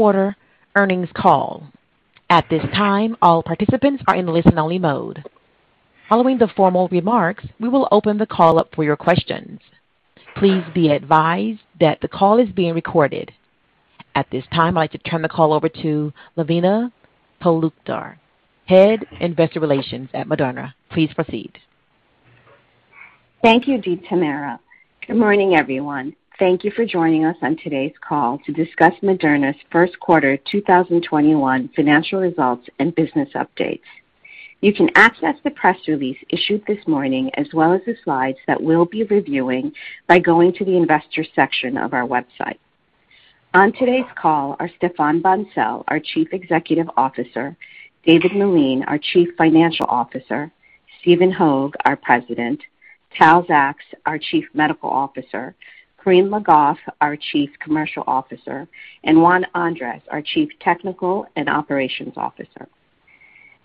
Quarter Earnings Call. At this time, all participants are in listen-only mode. Following the formal remarks, we will open the call up for your questions. Please be advised that the call is being recorded. At this time, I'd like to turn the call over to Lavina Talukdar, Head of Investor Relations at Moderna. Please proceed. Thank you, Tamara. Good morning, everyone. Thank you for joining us on today's call to discuss Moderna's Q1 2021 Financial Results and Business Updates. You can access the press release issued this morning, as well as the slides that we'll be reviewing by going to the investor section of our website. On today's call are Stéphane Bancel, our Chief Executive Officer, David Meline, our Chief Financial Officer, Stephen Hoge, our President, Tal Zaks, our Chief Medical Officer, Corinne Le Goff, our Chief Commercial Officer, and Juan Andrés, our Chief Technical and Operations Officer.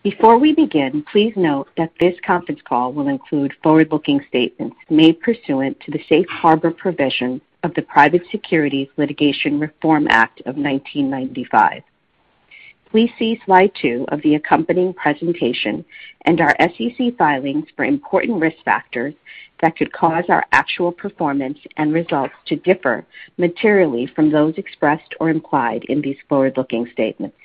Before we begin, please note that this conference call will include forward-looking statements made pursuant to the safe harbor provision of the Private Securities Litigation Reform Act of 1995. Please see slide two of the accompanying presentation and our SEC filings for important risk factors that could cause our actual performance and results to differ materially from those expressed or implied in these forward-looking statements.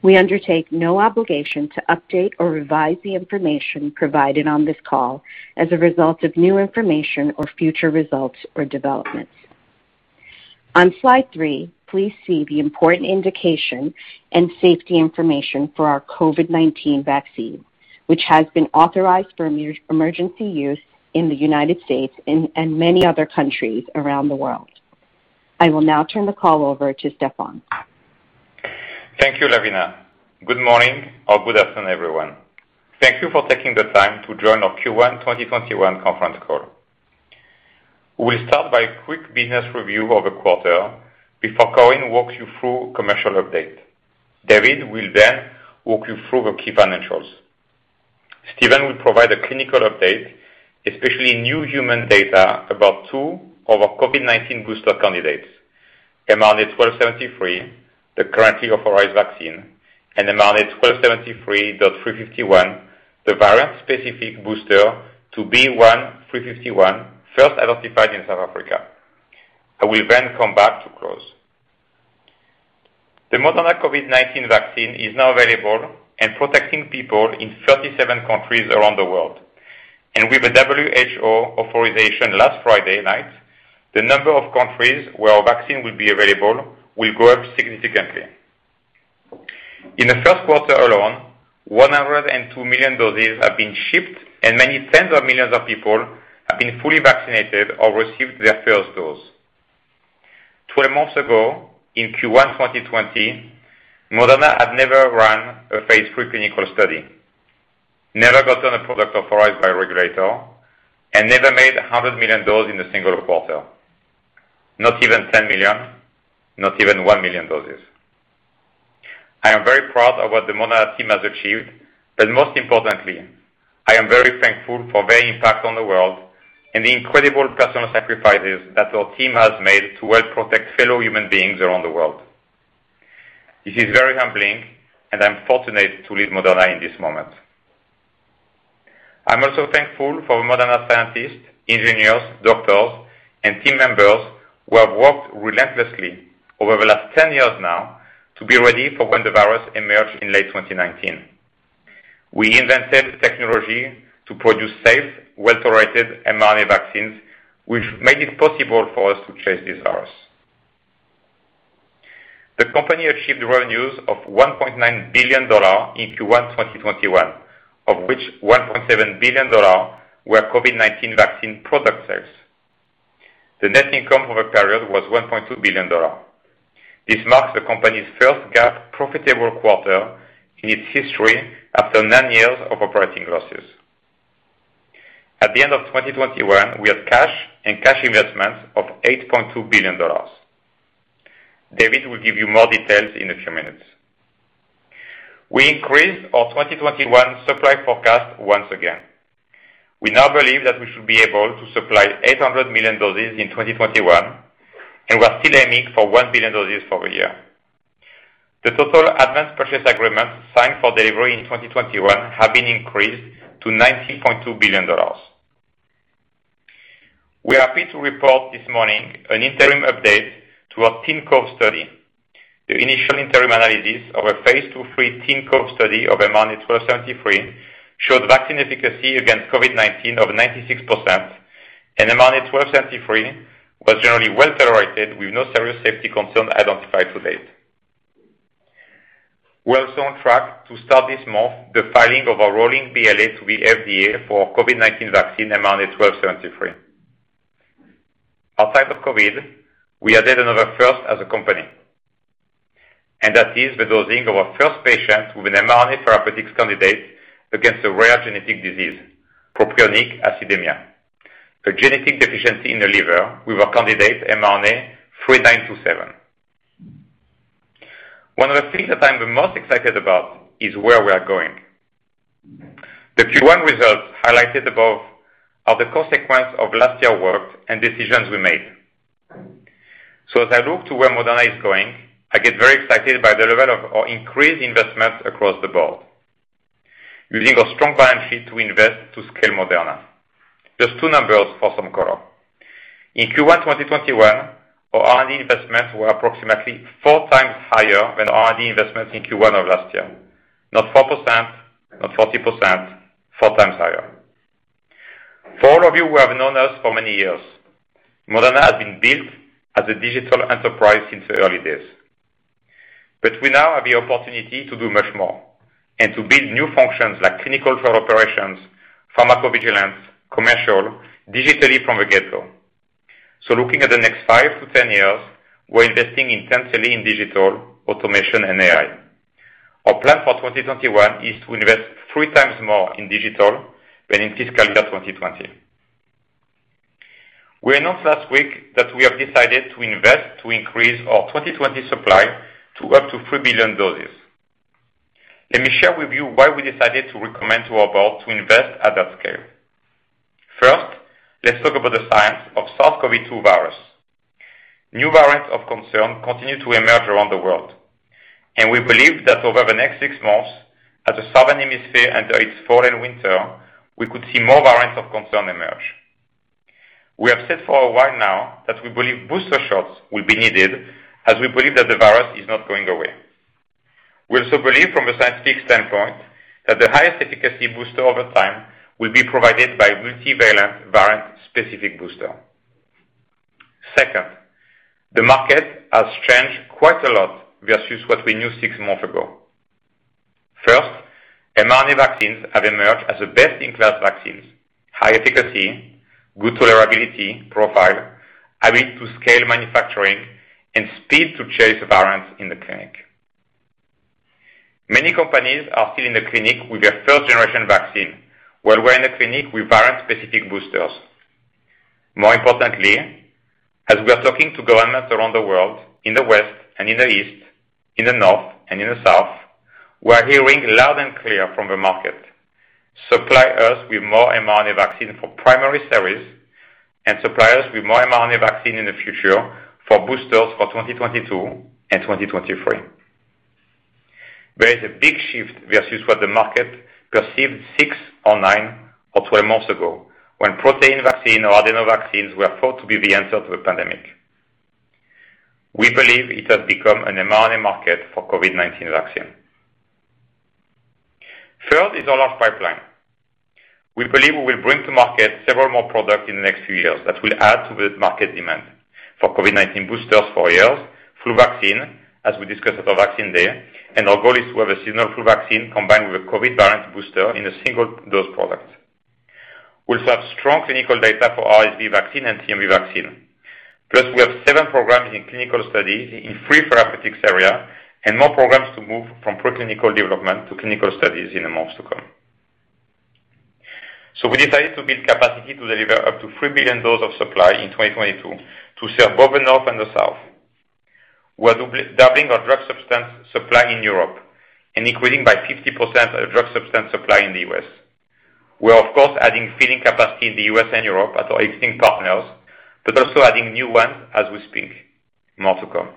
We undertake no obligation to update or revise the information provided on this call as a result of new information or future results or developments. On slide three, please see the important indication and safety information for our COVID-19 vaccine, which has been authorized for emergency use in the U.S. and many other countries around the world. I will now turn the call over to Stéphane. Thank you, Lavina. Good morning or good afternoon, everyone. Thank you for taking the time to join our Q1 2021 Conference Call. We'll start by a quick business review of the quarter before Corinne walks you through a commercial update. David will walk you through the key financials. Stephen will provide a clinical update, especially new human data about two of our COVID-19 booster candidates, mRNA-1273, the currently authorized vaccine, and mRNA-1273.351, the variant-specific booster to B.1.351 first identified in South Africa. I will come back to close. The Moderna COVID-19 vaccine is now available and protecting people in 37 countries around the world. With the WHO authorization last Friday night, the number of countries where our vaccine will be available will go up significantly. In the Q1 alone, 102 million doses have been shipped, and many tens of millions of people have been fully vaccinated or received their first dose. 12 months ago, in Q1 2020, Moderna had never run a phase III clinical study, never gotten a product authorized by a regulator, and never made 100 million doses in a single quarter. Not even 10 million, not even one million doses. I am very proud of what the Moderna team has achieved. Most importantly, I am very thankful for their impact on the world and the incredible personal sacrifices that our team has made to help protect fellow human beings around the world. This is very humbling, I'm fortunate to lead Moderna in this moment. I'm also thankful for Moderna scientists, engineers, doctors, and team members who have worked relentlessly over the last 10 years now to be ready for when the virus emerged in late 2019. We invented the technology to produce safe, well-tolerated mRNA vaccines, which made it possible for us to chase this virus. The company achieved revenues of $1.9 billion in Q1 2021, of which $1.7 billion were COVID-19 vaccine product sales. The net income over the period was $1.2 billion. This marks the company's first GAAP profitable quarter in its history after nine years of operating losses. At the end of 2021, we had cash and cash investments of $8.2 billion. David will give you more details in a few minutes. We increased our 2021 supply forecast once again. We now believe that we should be able to supply 800 million doses in 2021, and we're still aiming for 1 billion doses for the year. The total advance purchase agreements signed for delivery in 2021 have been increased to $19.2 billion. We are happy to report this morning an interim update to our TeenCOVE study. The initial interim analysis of a phase II/III TeenCOVE study of mRNA-1273 showed vaccine efficacy against COVID-19 of 96%, and mRNA-1273 was generally well-tolerated with no serious safety concern identified to date. We're also on track to start this month the filing of our rolling BLA to the FDA for COVID-19 vaccine mRNA-1273. Outside of COVID, we added another first as a company, and that is the dosing of our first patient with an mRNA therapeutics candidate against a rare genetic disease, propionic acidemia, a genetic deficiency in the liver with our candidate mRNA-3927. One of the things that I'm the most excited about is where we are going. The Q1 results highlighted above are the consequence of last year's work and decisions we made. As I look to where Moderna is going, I get very excited by the level of our increased investment across the board, using our strong balance sheet to invest to scale Moderna. Just two numbers for some color. In Q1 2021, our R&D investments were approximately four times higher than R&D investments in Q1 of last year. Not 4%, not 40%, four times higher. For all of you who have known us for many years, Moderna has been built as a digital enterprise since the early days. We now have the opportunity to do much more and to build new functions like clinical trial operations, pharmacovigilance, commercial, digitally from the get-go. Looking at the next 5 to 10 years, we're investing intensely in digital, automation, and AI. Our plan for 2021 is to invest three times more in digital than in fiscal year 2020. We announced last week that we have decided to invest to increase our 2020 supply to up to 3 billion doses. Let me share with you why we decided to recommend to our board to invest at that scale. First, let's talk about the science of SARS-CoV-2 virus. New variants of concern continue to emerge around the world, and we believe that over the next six months, as the Southern Hemisphere enter its fall and winter, we could see more variants of concern emerge. We have said for a while now that we believe booster shots will be needed as we believe that the virus is not going away. We also believe from a scientific standpoint that the highest efficacy booster over time will be provided by a multivalent variant-specific booster. The market has changed quite a lot versus what we knew six months ago. mRNA vaccines have emerged as the best-in-class vaccines, high efficacy, good tolerability profile, ability to scale manufacturing, and speed to chase variants in the clinic. Many companies are still in the clinic with their first-generation vaccine, while we're in the clinic with variant-specific boosters. More importantly, as we are talking to governments around the world, in the West and in the East, in the North and in the South, we're hearing loud and clear from the market, "Supply us with more mRNA vaccine for primary series, and supply us with more mRNA vaccine in the future for boosters for 2022 and 2023." There is a big shift versus what the market perceived six or nine or 12 months ago, when protein vaccine or adeno vaccines were thought to be the answer to the pandemic. We believe it has become an mRNA market for COVID-19 vaccine. Third is our large pipeline. We believe we will bring to market several more products in the next few years that will add to the market demand for COVID-19 boosters for years, flu vaccine, as we discussed at our Vaccine Day, and our goal is to have a seasonal flu vaccine combined with a COVID variant booster in a single-dose product. We also have strong clinical data for RSV vaccine and CMV vaccine. Plus, we have seven programs in clinical studies in three therapeutics area and more programs to move from pre-clinical development to clinical studies in the months to come. We decided to build capacity to deliver up to 3 billion dose of supply in 2022 to serve both the North and the South. We're doubling our drug substance supply in Europe and increasing by 50% our drug substance supply in the U.S. We are, of course, adding filling capacity in the U.S. and Europe at our existing partners, but also adding new ones as we speak. More to come.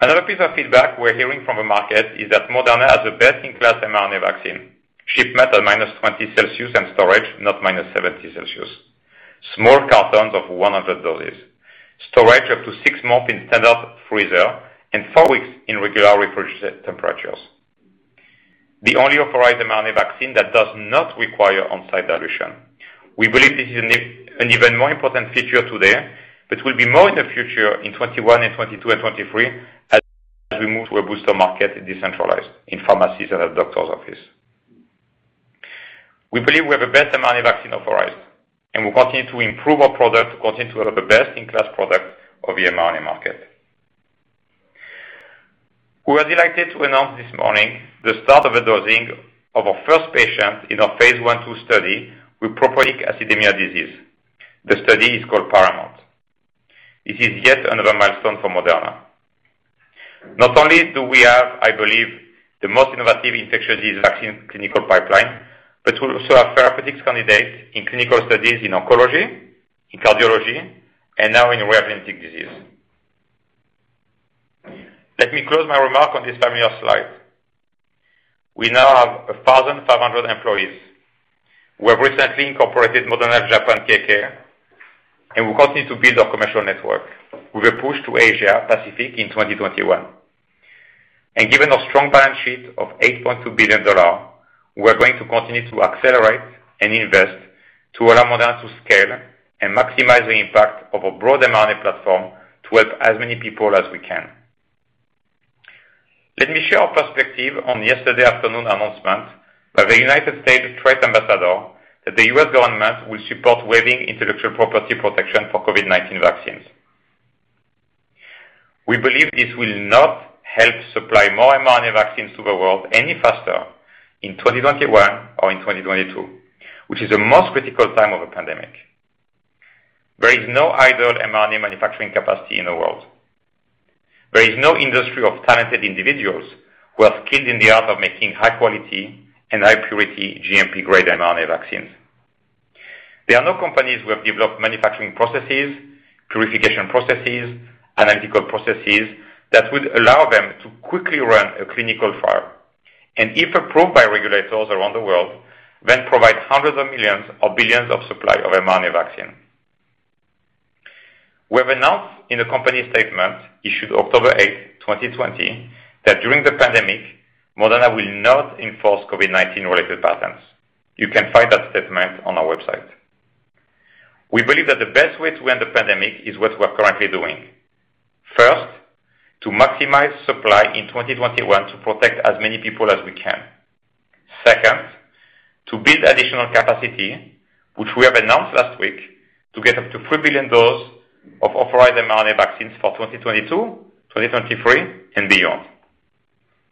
Another piece of feedback we're hearing from the market is that Moderna has the best-in-class mRNA vaccine, shipment at -20 Celsius and storage, not -70 Celsius. Small cartons of 100 doses. Storage up to six months in standard freezer and four weeks in regular refrigerator temperatures. The only authorized mRNA vaccine that does not require on-site dilution. We believe this is an even more important feature today, but will be more in the future in 2021 and 2022 and 2023 as we move to a booster market and decentralize in pharmacies and at doctor's office. We believe we have the best mRNA vaccine authorized, and we'll continue to improve our product to continue to have the best-in-class product of the mRNA market. We are delighted to announce this morning the start of the dosing of our first patient in our phase I/II study with propionic acidemia. The study is called PARAMOUNT. It is yet another milestone for Moderna. Not only do we have, I believe, the most innovative infectious disease vaccine clinical pipeline, but we also have therapeutics candidates in clinical studies in oncology, in cardiology, and now in rare genetic disease. Let me close my remark on this familiar slide. We now have 1,500 employees. We have recently incorporated Moderna Japan K.K., and we continue to build our commercial network with a push to Asia Pacific in 2021. Given our strong balance sheet of $8.2 billion, we're going to continue to accelerate and invest to allow Moderna to scale and maximize the impact of our broad mRNA platform to help as many people as we can. Let me share our perspective on yesterday afternoon announcement by the United States trade ambassador that the U.S. government will support waiving intellectual property protection for COVID-19 vaccines. We believe this will not help supply more mRNA vaccines to the world any faster in 2021 or in 2022, which is the most critical time of the pandemic. There is no idle mRNA manufacturing capacity in the world. There is no industry of talented individuals who are skilled in the art of making high-quality and high-purity GMP-grade mRNA vaccines. There are no companies who have developed manufacturing processes, purification processes, analytical processes that would allow them to quickly run a clinical trial, and if approved by regulators around the world, then provide hundreds of millions or billions of supply of mRNA vaccine. We have announced in a company statement issued October 8th, 2020, that during the pandemic, Moderna will not enforce COVID-19 related patents. You can find that statement on our website. We believe that the best way to end the pandemic is what we're currently doing. First, to maximize supply in 2021 to protect as many people as we can. Second, to build additional capacity, which we have announced last week, to get up to 3 billion doses of authorized mRNA vaccines for 2022, 2023, and beyond.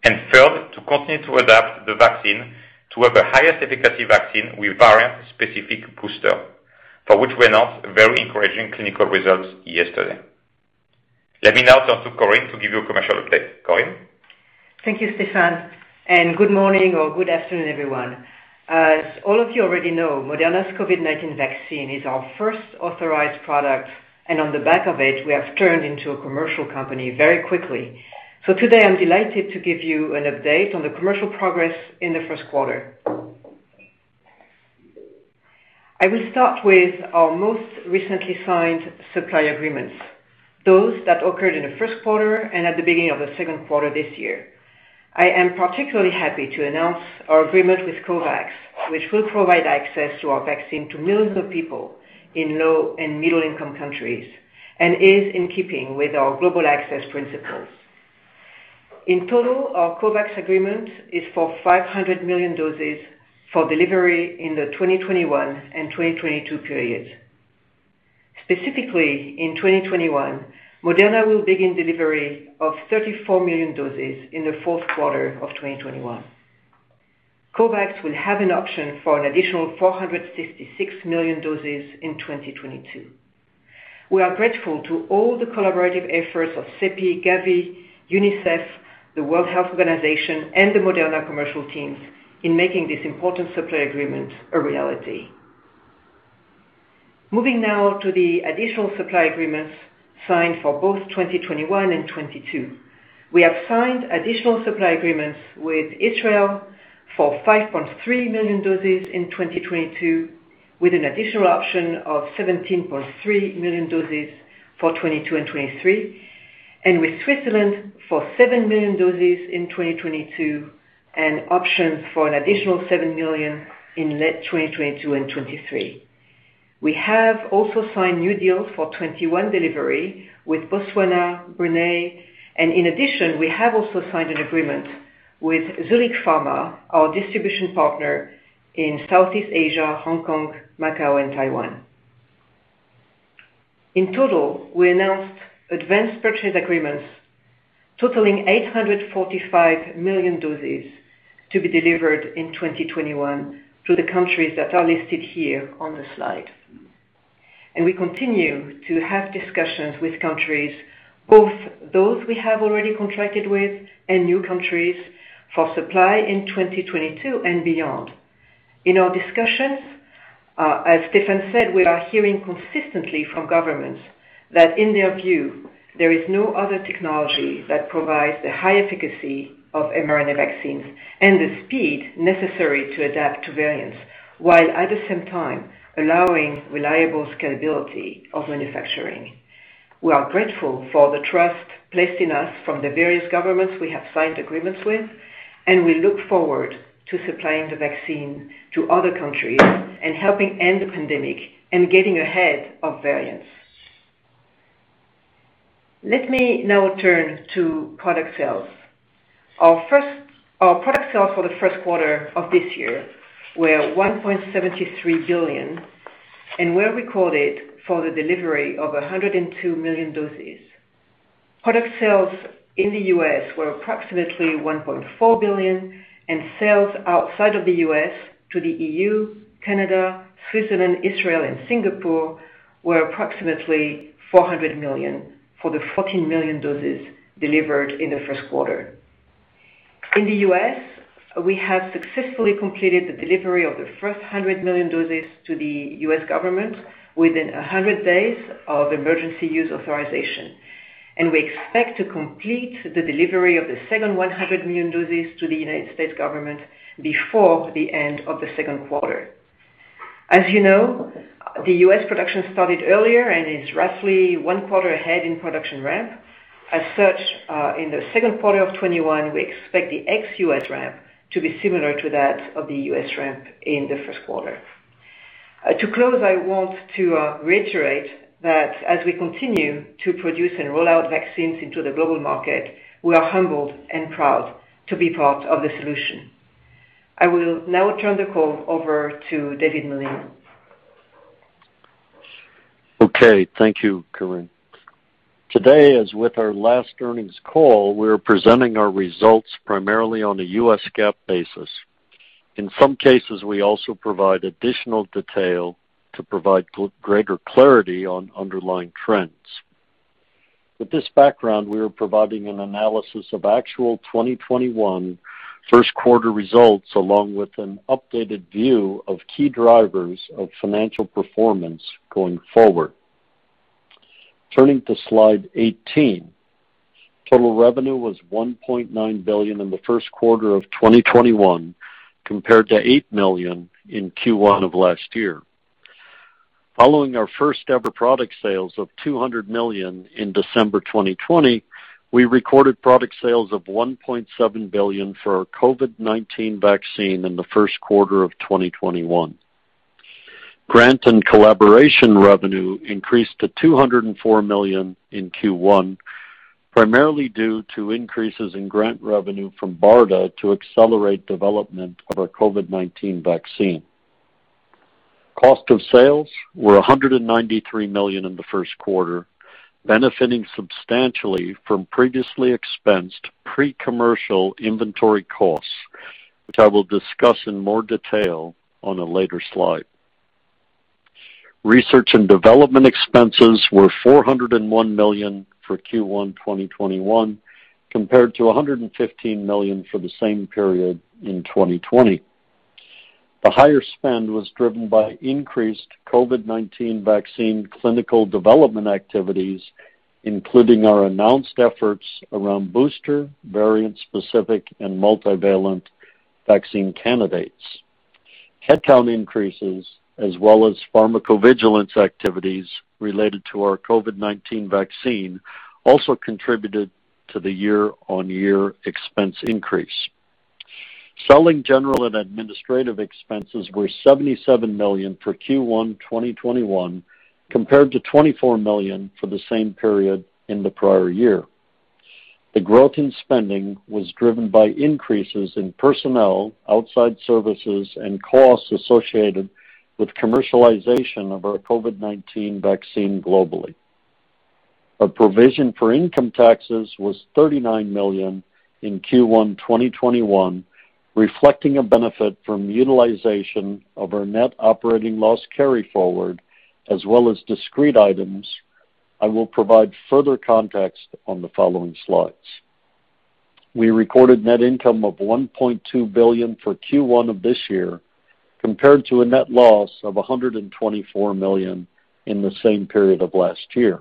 Third, to continue to adapt the vaccine to have the highest efficacy vaccine with variant-specific booster, for which we announced very encouraging clinical results yesterday. Let me now turn to Corinne to give you a commercial update. Corinne? Thank you, Stéphane, and good morning or good afternoon, everyone. As all of you already know, Moderna's COVID-19 vaccine is our first authorized product, and on the back of it, we have turned into a commercial company very quickly. Today, I'm delighted to give you an update on the commercial progress in the first quarter. I will start with our most recently signed supply agreements, those that occurred in the first quarter and at the beginning of the second quarter this year. I am particularly happy to announce our agreement with COVAX, which will provide access to our vaccine to millions of people in low and middle-income countries and is in keeping with our global access principles. In total, our COVAX agreement is for 500 million doses for delivery in the 2021 and 2022 periods. Specifically, in 2021, Moderna will begin delivery of 34 million doses in the Q4 of 2021. COVAX will have an option for an additional 466 million doses in 2022. We are grateful to all the collaborative efforts of CEPI, Gavi, UNICEF, the World Health Organization, and the Moderna commercial teams in making this important supply agreement a reality. Moving now to the additional supply agreements signed for both 2021 and 2022. We have signed additional supply agreements with Israel for 5.3 million doses in 2022, with an additional option of 17.3 million doses for 2022 and 2023, and with Switzerland for 7 million doses in 2022, and options for an additional 7 million in late 2022 and 2023. We have also signed new deals for 2021 delivery with Botswana, Brunei, and in addition, we have also signed an agreement with Zuellig Pharma, our distribution partner in Southeast Asia, Hong Kong, Macau, and Taiwan. In total, we announced advanced purchase agreements totaling 845 million doses to be delivered in 2021 to the countries that are listed here on the slide. We continue to have discussions with countries, both those we have already contracted with and new countries, for supply in 2022 and beyond. In our discussions, as Stéphane said, we are hearing consistently from governments that in their view, there is no other technology that provides the high efficacy of mRNA vaccines and the speed necessary to adapt to variants, while at the same time allowing reliable scalability of manufacturing. We are grateful for the trust placed in us from the various governments we have signed agreements with, and we look forward to supplying the vaccine to other countries and helping end the pandemic and getting ahead of variants. Let me now turn to product sales. Our product sales for the first quarter of this year were $1.73 billion and were recorded for the delivery of 102 million doses. Product sales in the U.S. were approximately $1.4 billion, and sales outside of the U.S. to the EU, Canada, Switzerland, Israel, and Singapore were approximately $400 million for the 14 million doses delivered in the Q1. In the U.S., we have successfully completed the delivery of the first 100 million doses to the U.S. government within 100 days of emergency use authorization. We expect to complete the delivery of the second 100 million doses to the United States government before the end of the second quarter. As you know, the U.S. production started earlier and is roughly one quarter ahead in production ramp. In the second quarter of 2021, we expect the ex-U.S. ramp to be similar to that of the U.S. ramp in the Q1. To close, I want to reiterate that as we continue to produce and roll out vaccines into the global market, we are humbled and proud to be part of the solution. I will now turn the call over to David Meline. Okay. Thank you, Corinne Today, as with our last earnings call, we're presenting our results primarily on a US GAAP basis. In some cases, we also provide additional detail to provide greater clarity on underlying trends. With this background, we are providing an analysis of actual 2021 Q1 results, along with an updated view of key drivers of financial performance going forward. Turning to slide 18. Total revenue was $1.9 billion in the Q1 of 2021 compared to $8 million in Q1 of last year. Following our first-ever product sales of $200 million in December 2020, we recorded product sales of $1.7 billion for our COVID-19 vaccine in the Q1 of 2021. Grant and collaboration revenue increased to $204 million in Q1, primarily due to increases in grant revenue from BARDA to accelerate development of our COVID-19 vaccine. Cost of sales were $193 million in the Q1, benefiting substantially from previously expensed pre-commercial inventory costs, which I will discuss in more detail on a later slide. Research and development expenses were $401 million for Q1 2021 compared to $115 million for the same period in 2020. The higher spend was driven by increased COVID-19 vaccine clinical development activities, including our announced efforts around booster, variant-specific, and multivalent vaccine candidates. Headcount increases as well as pharmacovigilance activities related to our COVID-19 vaccine also contributed to the year-on-year expense increase. Selling general and administrative expenses were $77 million for Q1 2021 compared to $24 million for the same period in the prior year. The growth in spending was driven by increases in personnel, outside services, and costs associated with commercialization of our COVID-19 vaccine globally. Our provision for income taxes was $39 million in Q1 2021, reflecting a benefit from utilization of our net operating loss carryforward as well as discrete items. I will provide further context on the following slides. We recorded net income of $1.2 billion for Q1 of this year compared to a net loss of $124 million in the same period of last year.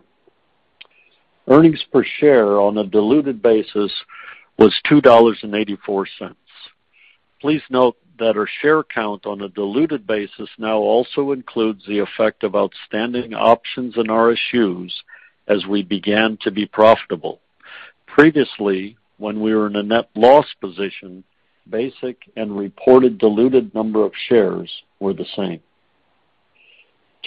Earnings per share on a diluted basis was $2.84. Please note that our share count on a diluted basis now also includes the effect of outstanding options and RSUs as we began to be profitable. Previously, when we were in a net loss position, basic and reported diluted number of shares were the same.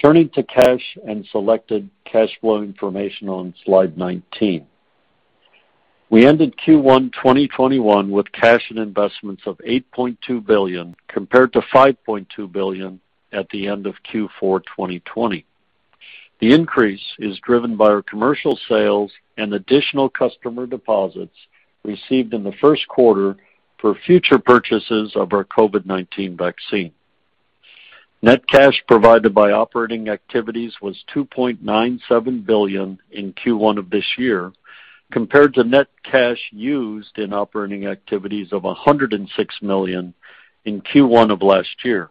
Turning to cash and selected cash flow information on slide 19. We ended Q1 2021 with cash and investments of $8.2 billion compared to $5.2 billion at the end of Q4 2020. The increase is driven by our commercial sales and additional customer deposits received in the Q1 for future purchases of our COVID-19 vaccine. Net cash provided by operating activities was $2.97 billion in Q1 of this year compared to net cash used in operating activities of $106 million in Q1 of last year.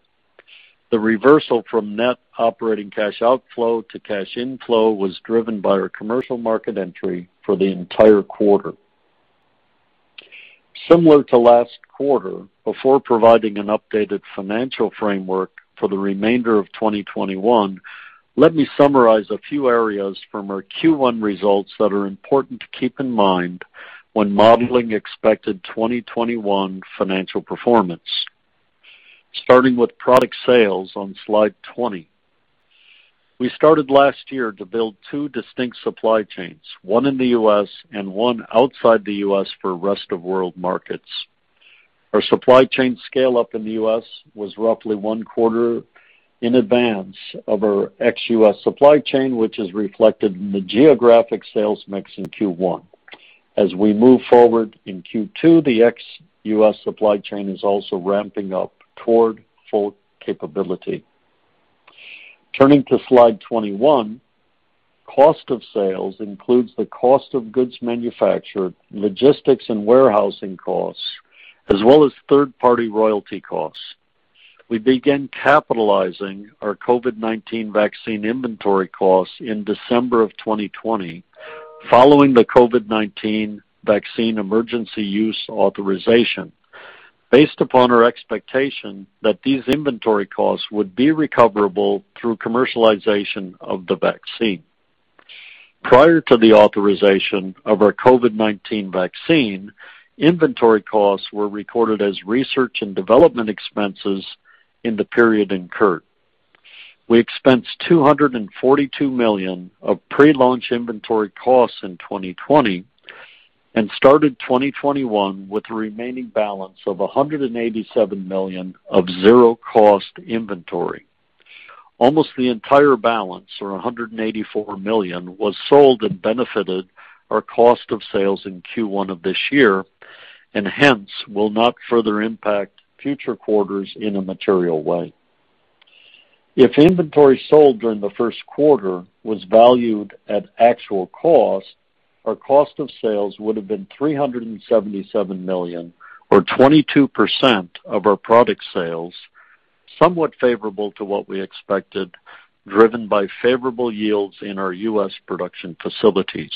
The reversal from net operating cash outflow to cash inflow was driven by our commercial market entry for the entire quarter. Similar to last quarter, before providing an updated financial framework for the remainder of 2021, let me summarize a few areas from our Q1 results that are important to keep in mind when modeling expected 2021 financial performance. Starting with product sales on slide 20. We started last year to build two distinct supply chains, one in the U.S. and one outside the U.S. for rest-of-world markets. Our supply chain scale-up in the U.S. was roughly one quarter in advance of our ex-U.S. supply chain, which is reflected in the geographic sales mix in Q1. As we move forward in Q2, the ex-U.S. supply chain is also ramping up toward full capability. Turning to slide 21. Cost of sales includes the cost of goods manufactured, logistics and warehousing costs, as well as third-party royalty costs. We began capitalizing our COVID-19 vaccine inventory costs in December of 2020 following the COVID-19 vaccine emergency use authorization based upon our expectation that these inventory costs would be recoverable through commercialization of the vaccine. Prior to the authorization of our COVID-19 vaccine, inventory costs were recorded as research and development expenses in the period incurred. We expensed $242 million of pre-launch inventory costs in 2020 and started 2021 with a remaining balance of $187 million of zero-cost inventory. Almost the entire balance, or $184 million, was sold and benefited our cost of sales in Q1 of this year. Hence, it will not further impact future quarters in a material way. If inventory sold during the first quarter was valued at actual cost, our cost of sales would've been $377 million or 22% of our product sales, somewhat favorable to what we expected, driven by favorable yields in our U.S. production facilities.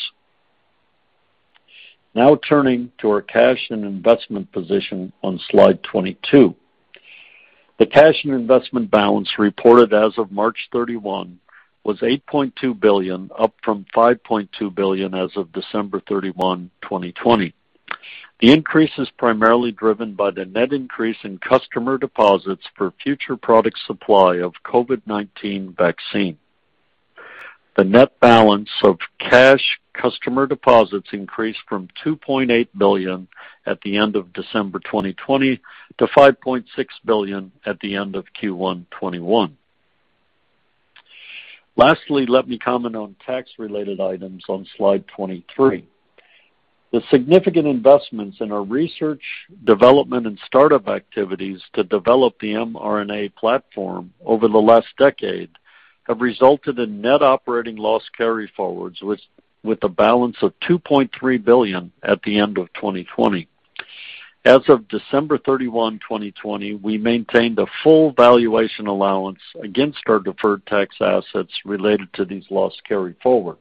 Now, turning to our cash and investment position on slide 22. The cash and investment balance reported as of March 31 was $8.2 billion, up from $5.2 billion as of December 31, 2020. The increase is primarily driven by the net increase in customer deposits for future product supply of COVID-19 vaccine. The net balance of cash customer deposits increased from $2.8 billion at the end of December 2020 to $5.6 billion at the end of Q1 2021. Lastly, let me comment on tax-related items on slide 23. The significant investments in our research, development, and startup activities to develop the mRNA platform over the last decade have resulted in net operating loss carryforwards with a balance of $2.3 billion at the end of 2020. As of December 31, 2020, we maintained a full valuation allowance against our deferred tax assets related to these loss carryforwards.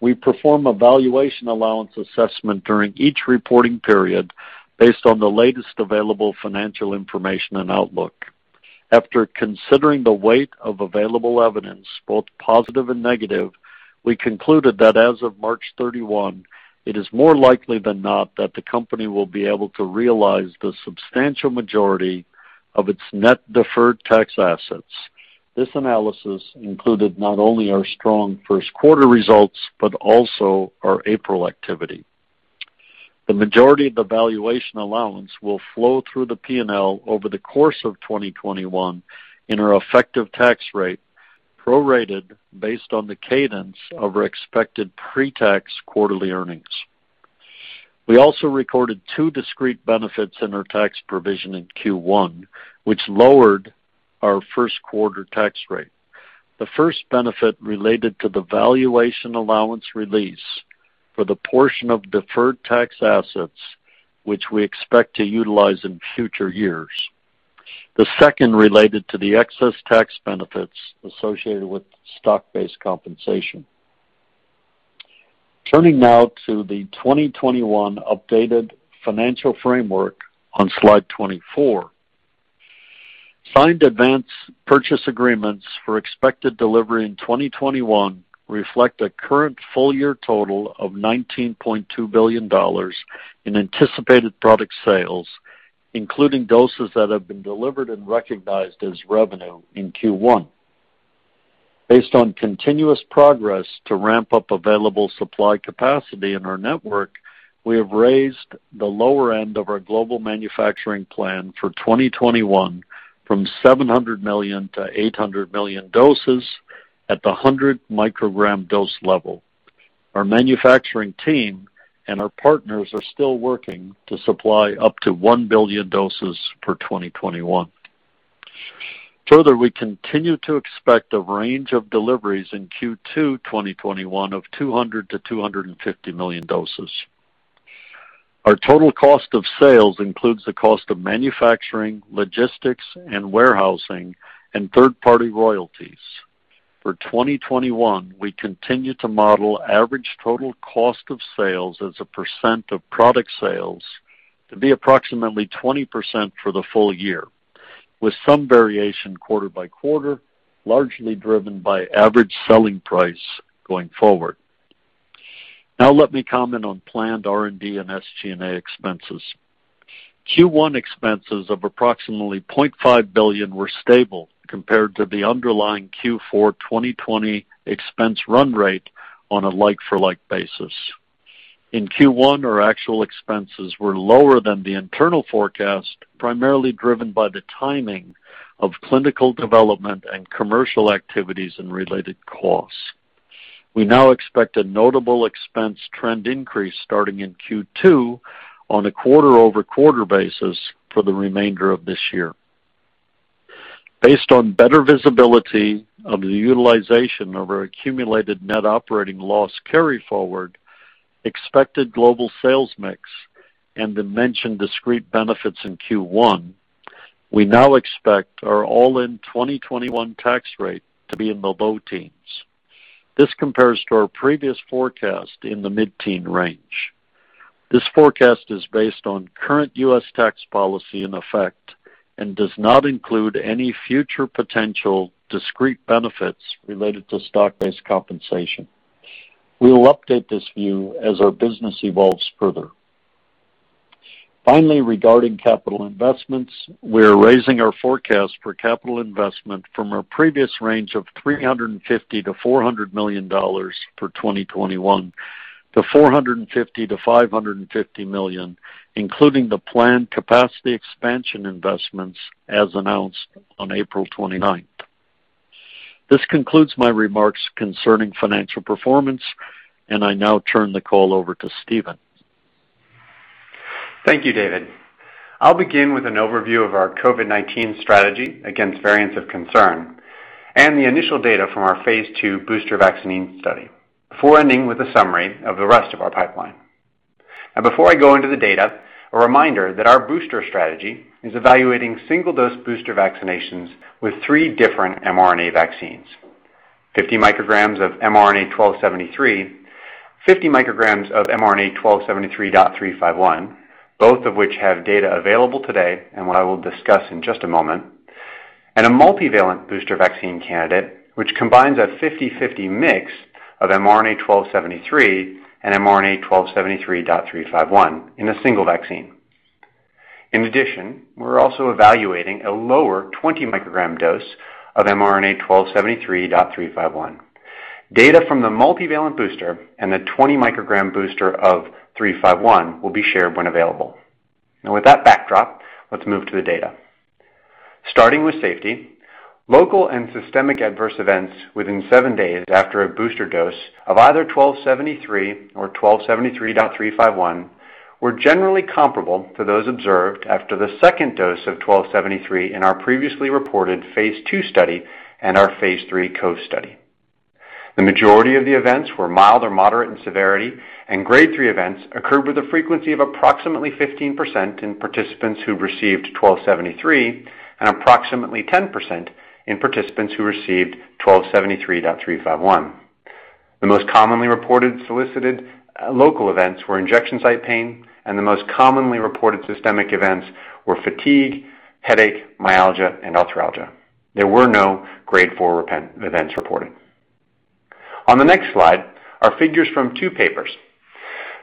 We perform a valuation allowance assessment during each reporting period based on the latest available financial information and outlook. After considering the weight of available evidence, both positive and negative, we concluded that as of March 31, it is more likely than not that the company will be able to realize the substantial majority of its net deferred tax assets. This analysis included not only our strong first quarter results, but also our April activity. The majority of the valuation allowance will flow through the P&L over the course of 2021 in our effective tax rate, prorated based on the cadence of our expected pre-tax quarterly earnings. We also recorded two discrete benefits in our tax provision in Q1, which lowered our first quarter tax rate. The first benefit related to the valuation allowance release for the portion of deferred tax assets, which we expect to utilize in future years. The second related to the excess tax benefits associated with stock-based compensation. Turning now to the 2021 updated financial framework on Slide 24. Signed advance purchase agreements for expected delivery in 2021 reflect a current full year total of $19.2 billion in anticipated product sales, including doses that have been delivered and recognized as revenue in Q1. Based on continuous progress to ramp up available supply capacity in our network, we have raised the lower end of our global manufacturing plan for 2021 from 700 million to 800 million doses at the 100 microgram dose level. Our manufacturing team and our partners are still working to supply up to 1 billion doses for 2021. We continue to expect a range of deliveries in Q2 2021 of 200 to 250 million doses. Our total cost of sales includes the cost of manufacturing, logistics and warehousing, and third-party royalties. For 2021, we continue to model average total cost of sales as a percent of product sales to be approximately 20% for the full-year, with some variation quarter by quarter, largely driven by average selling price going forward. Let me comment on planned R&D and SG&A expenses. Q1 expenses of approximately $0.5 billion were stable compared to the underlying Q4 2020 expense run rate on a like-for-like basis. In Q1, our actual expenses were lower than the internal forecast, primarily driven by the timing of clinical development and commercial activities and related costs. We now expect a notable expense trend increase starting in Q2 on a quarter-over-quarter basis for the remainder of this year. Based on better visibility of the utilization of our accumulated net operating loss carryforward, expected global sales mix, and the mentioned discrete benefits in Q1, we now expect our all-in 2021 tax rate to be in the low teens. This compares to our previous forecast in the mid-teen range. This forecast is based on current U.S. tax policy in effect and does not include any future potential discrete benefits related to stock-based compensation. We'll update this view as our business evolves further. Finally, regarding capital investments, we're raising our forecast for capital investment from our previous range of $350 million-$400 million for 2021 to $450 million-$550 million, including the planned capacity expansion investments as announced on April 29th. This concludes my remarks concerning financial performance, and I now turn the call over to Stephen. Thank you, David. I'll begin with an overview of our COVID-19 strategy against variants of concern and the initial data from our phase II booster vaccine study, before ending with a summary of the rest of our pipeline. Now, before I go into the data, a reminder that our booster strategy is evaluating single-dose booster vaccinations with three different mRNA vaccines. 50 micrograms of mRNA-1273, 50 micrograms of mRNA-1273.351, both of which have data available today, and what I will discuss in just a moment, and a multivalent booster vaccine candidate, which combines a 50/50 mix of mRNA-1273 and mRNA-1273.351 in a single vaccine. In addition, we're also evaluating a lower 20 microgram dose of mRNA-1273.351. Data from the multivalent booster and the 20 microgram booster of 351 will be shared when available. Now with that backdrop, let's move to the data. Starting with safety, local and systemic adverse events within seven days after a booster dose of either mRNA-1273 or mRNA-1273.351 were generally comparable to those observed after the second dose of mRNA-1273 in our previously reported phase II study and our phase III COVE study. The majority of the events were mild or moderate in severity, and grade 3 events occurred with a frequency of approximately 15% in participants who received mRNA-1273 and approximately 10% in participants who received mRNA-1273.351. The most commonly reported solicited local events were injection site pain, and the most commonly reported systemic events were fatigue, headache, myalgia, and arthralgia. There were no grade 4 event reports. On the next slide are figures from two papers.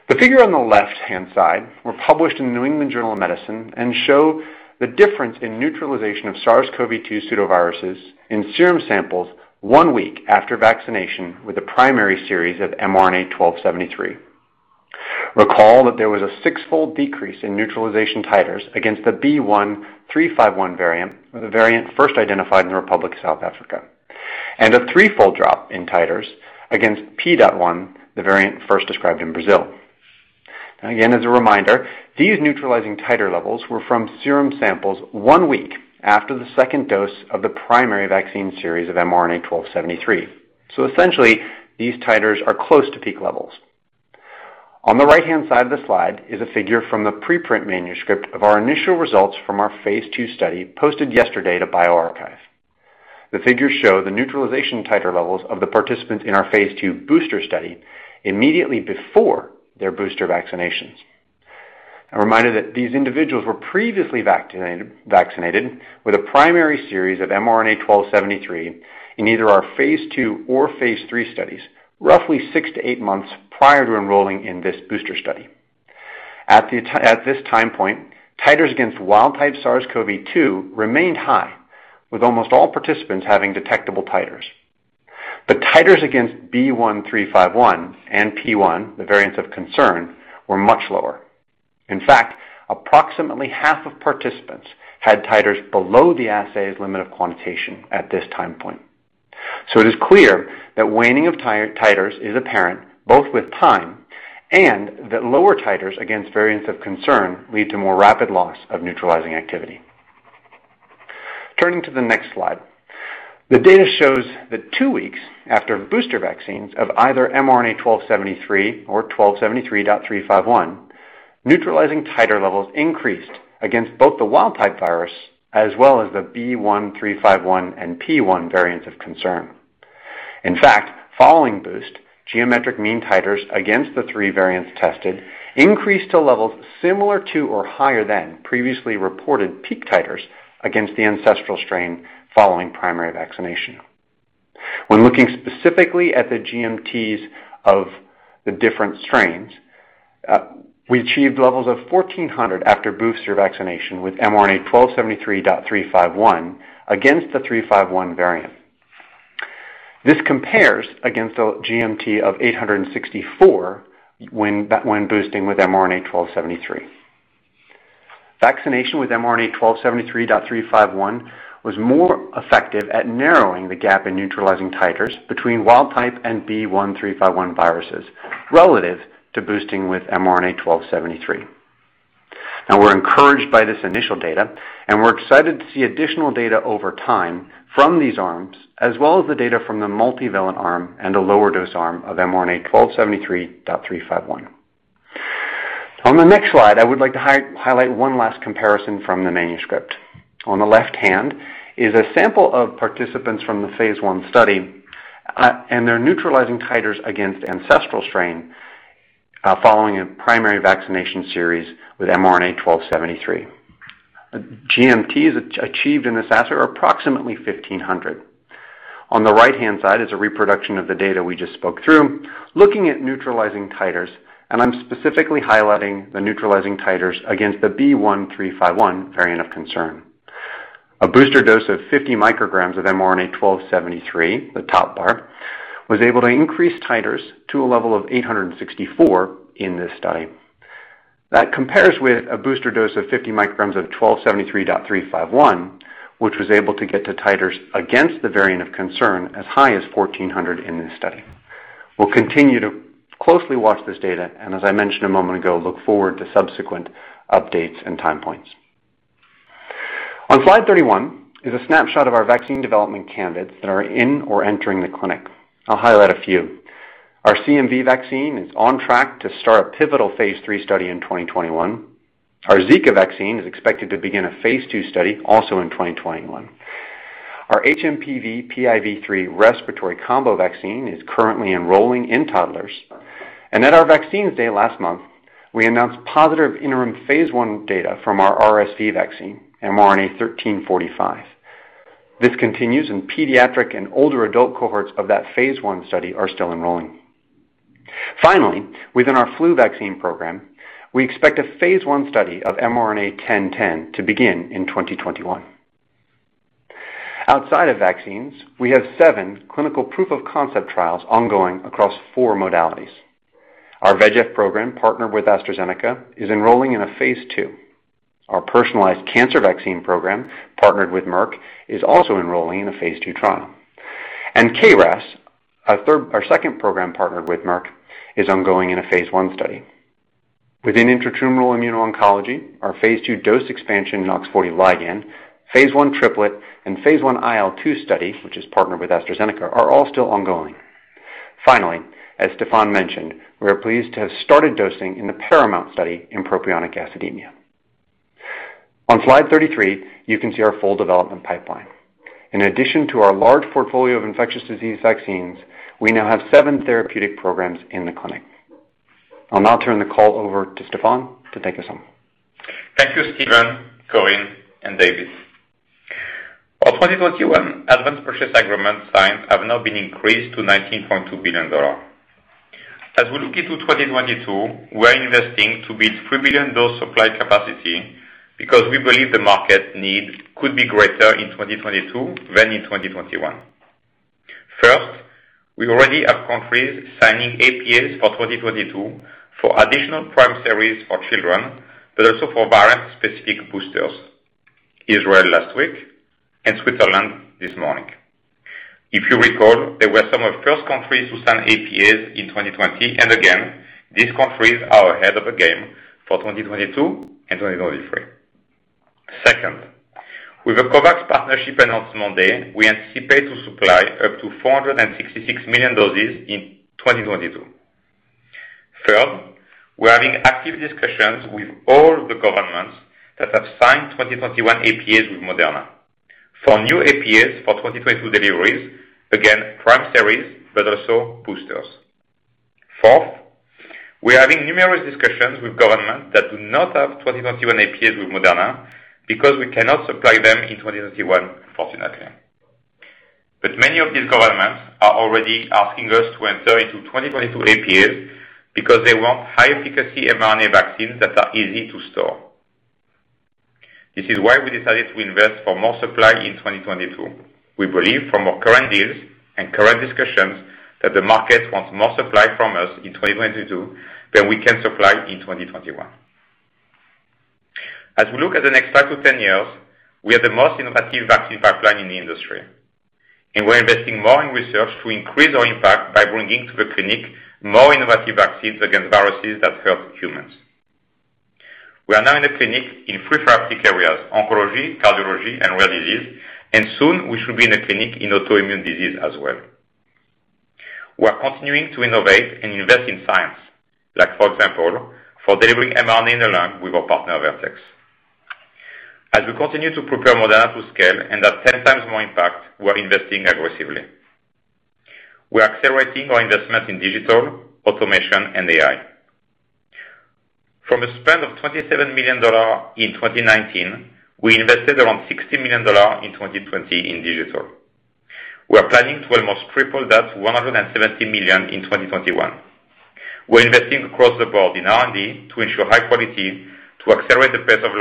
The figure on the left-hand side were published in "The New England Journal of Medicine" and show the difference in neutralization of SARS-CoV-2 pseudoviruses in serum samples one week after vaccination with a primary series of mRNA-1273. Recall that there was a sixfold decrease in neutralization titers against the B.1.351 variant, the variant first identified in the Republic of South Africa, and a threefold drop in titers against P.1, the variant first described in Brazil. Again, as a reminder, these neutralizing titer levels were from serum samples one week after the second dose of the primary vaccine series of mRNA-1273. Essentially, these titers are close to peak levels. On the right-hand side of the slide is a figure from the preprint manuscript of our initial results from our phase II study, posted yesterday to bioRxiv. The figures show the neutralization titer levels of the participants in our phase II booster study immediately before their booster vaccinations. A reminder that these individuals were previously vaccinated with a primary series of mRNA-1273 in either our phase II or phase III studies, roughly six to eight months prior to enrolling in this booster study. At this time point, titers against wild type SARS-CoV-2 remained high, with almost all participants having detectable titers. The titers against B.1.351 and P.1, the variants of concern, were much lower. In fact, approximately half of participants had titers below the assay's limit of quantitation at this time point. It is clear that waning of titers is apparent both with time and that lower titers against variants of concern lead to more rapid loss of neutralizing activity. Turning to the next slide. The data shows that two weeks after booster vaccines of either mRNA-1273 or mRNA-1273.351, neutralizing titer levels increased against both the wild type virus as well as the B.1.351 and P.1 variants of concern. In fact, following boost, geometric mean titers against the three variants tested increased to levels similar to or higher than previously reported peak titers against the ancestral strain following primary vaccination. When looking specifically at the GMTs of the different strains, we achieved levels of 1,400 after booster vaccination with mRNA-1273.351 against the 351 variant. This compares against a GMT of 864 when boosting with mRNA-1273. Vaccination with mRNA-1273.351 was more effective at narrowing the gap in neutralizing titers between wild type and B.1.351 viruses relative to boosting with mRNA-1273. Now, we're encouraged by this initial data, and we're excited to see additional data over time from these arms, as well as the data from the multivalent arm and the lower dose arm of mRNA-1273.351. On the next slide, I would like to highlight one last comparison from the manuscript. On the left hand is a sample of participants from the phase I study, and their neutralizing titers against ancestral strain following a primary vaccination series with mRNA-1273. GMTs achieved in this assay are approximately 1,500. On the right-hand side is a reproduction of the data we just spoke through, looking at neutralizing titers, and I'm specifically highlighting the neutralizing titers against the B.1.351 variant of concern. A booster dose of 50 micrograms of mRNA-1273, the top bar, was able to increase titers to a level of 864 in this study. That compares with a booster dose of 50 micrograms of mRNA-1273.351, which was able to get to titers against the variant of concern as high as 1,400 in this study. We'll continue to closely watch this data, and as I mentioned a moment ago, look forward to subsequent updates and time points. On slide 31 is a snapshot of our vaccine development candidates that are in or entering the clinic. I'll highlight a few. Our CMV vaccine is on track to start a pivotal phase III study in 2021. Our Zika vaccine is expected to begin a phase II study also in 2021. Our hMPV-PIV3 respiratory combo vaccine is currently enrolling in toddlers. At our vaccines day last month, we announced positive interim phase I data from our RSV vaccine, mRNA-1345. This continues, and pediatric and older adult cohorts of that phase I study are still enrolling. Finally, within our flu vaccine program, we expect a phase I study of mRNA-1010 to begin in 2021. Outside of vaccines, we have seven clinical proof of concept trials ongoing across four modalities. Our VEGF program, partnered with AstraZeneca, is enrolling in a phase II. Our personalized cancer vaccine program, partnered with Merck, is also enrolling in a phase II trial. KRAS, our second program partnered with Merck, is ongoing in a phase I study. Within intratumoral immuno-oncology, our phase II dose expansion in OX40 ligand, phase I triplet, and phase I IL-2 study, which is partnered with AstraZeneca, are all still ongoing. Finally, as Stéphane mentioned, we are pleased to have started dosing in the PARAMOUNT study in propionic acidemia. On slide 33, you can see our full development pipeline. In addition to our large portfolio of infectious disease vaccines, we now have seven therapeutic programs in the clinic. I'll now turn the call over to Stéphane to take us home. Thank you, Stephen, Corinne, and David. Our 2021 advance purchase agreement signs have now been increased to $19.2 billion. We look into 2022, we are investing to build three billion dose supply capacity because we believe the market need could be greater in 2022 than in 2021. First, we already have countries signing APAs for 2022 for additional prime series for children, but also for variant-specific boosters. Israel last week and Switzerland this morning. If you recall, they were some of the first countries to sign APAs in 2020. Again, these countries are ahead of the game for 2022 and 2023. Second, with the COVAX partnership announcement day, we anticipate to supply up to 466 million doses in 2022. Third, we're having active discussions with all the governments that have signed 2021 APAs with Moderna for new APAs for 2022 deliveries. Again, prime series, but also boosters. We are having numerous discussions with governments that do not have 2021 APAs with Moderna because we cannot supply them in 2021, unfortunately. Many of these governments are already asking us to enter into 2022 APAs because they want high efficacy mRNA vaccines that are easy to store. This is why we decided to invest for more supply in 2022. We believe from our current deals and current discussions that the market wants more supply from us in 2022 than we can supply in 2021. As we look at the next 5-10 years, we are the most innovative vaccine pipeline in the industry, and we're investing more in research to increase our impact by bringing to the clinic more innovative vaccines against viruses that hurt humans. We are now in the clinic in three therapeutic areas, oncology, cardiology and rare disease, and soon we should be in the clinic in autoimmune disease as well. We are continuing to innovate and invest in science like, for example, for delivering mRNA in the lung with our partner, Vertex. As we continue to prepare Moderna to scale and have 10 times more impact, we are investing aggressively. We are accelerating our investment in digital, automation, and AI. From a spend of $27 million in 2019, we invested around $60 million in 2020 in digital. We're planning to almost triple that to $170 million in 2021. We're investing across the board in R&D to ensure high quality, to accelerate the pace of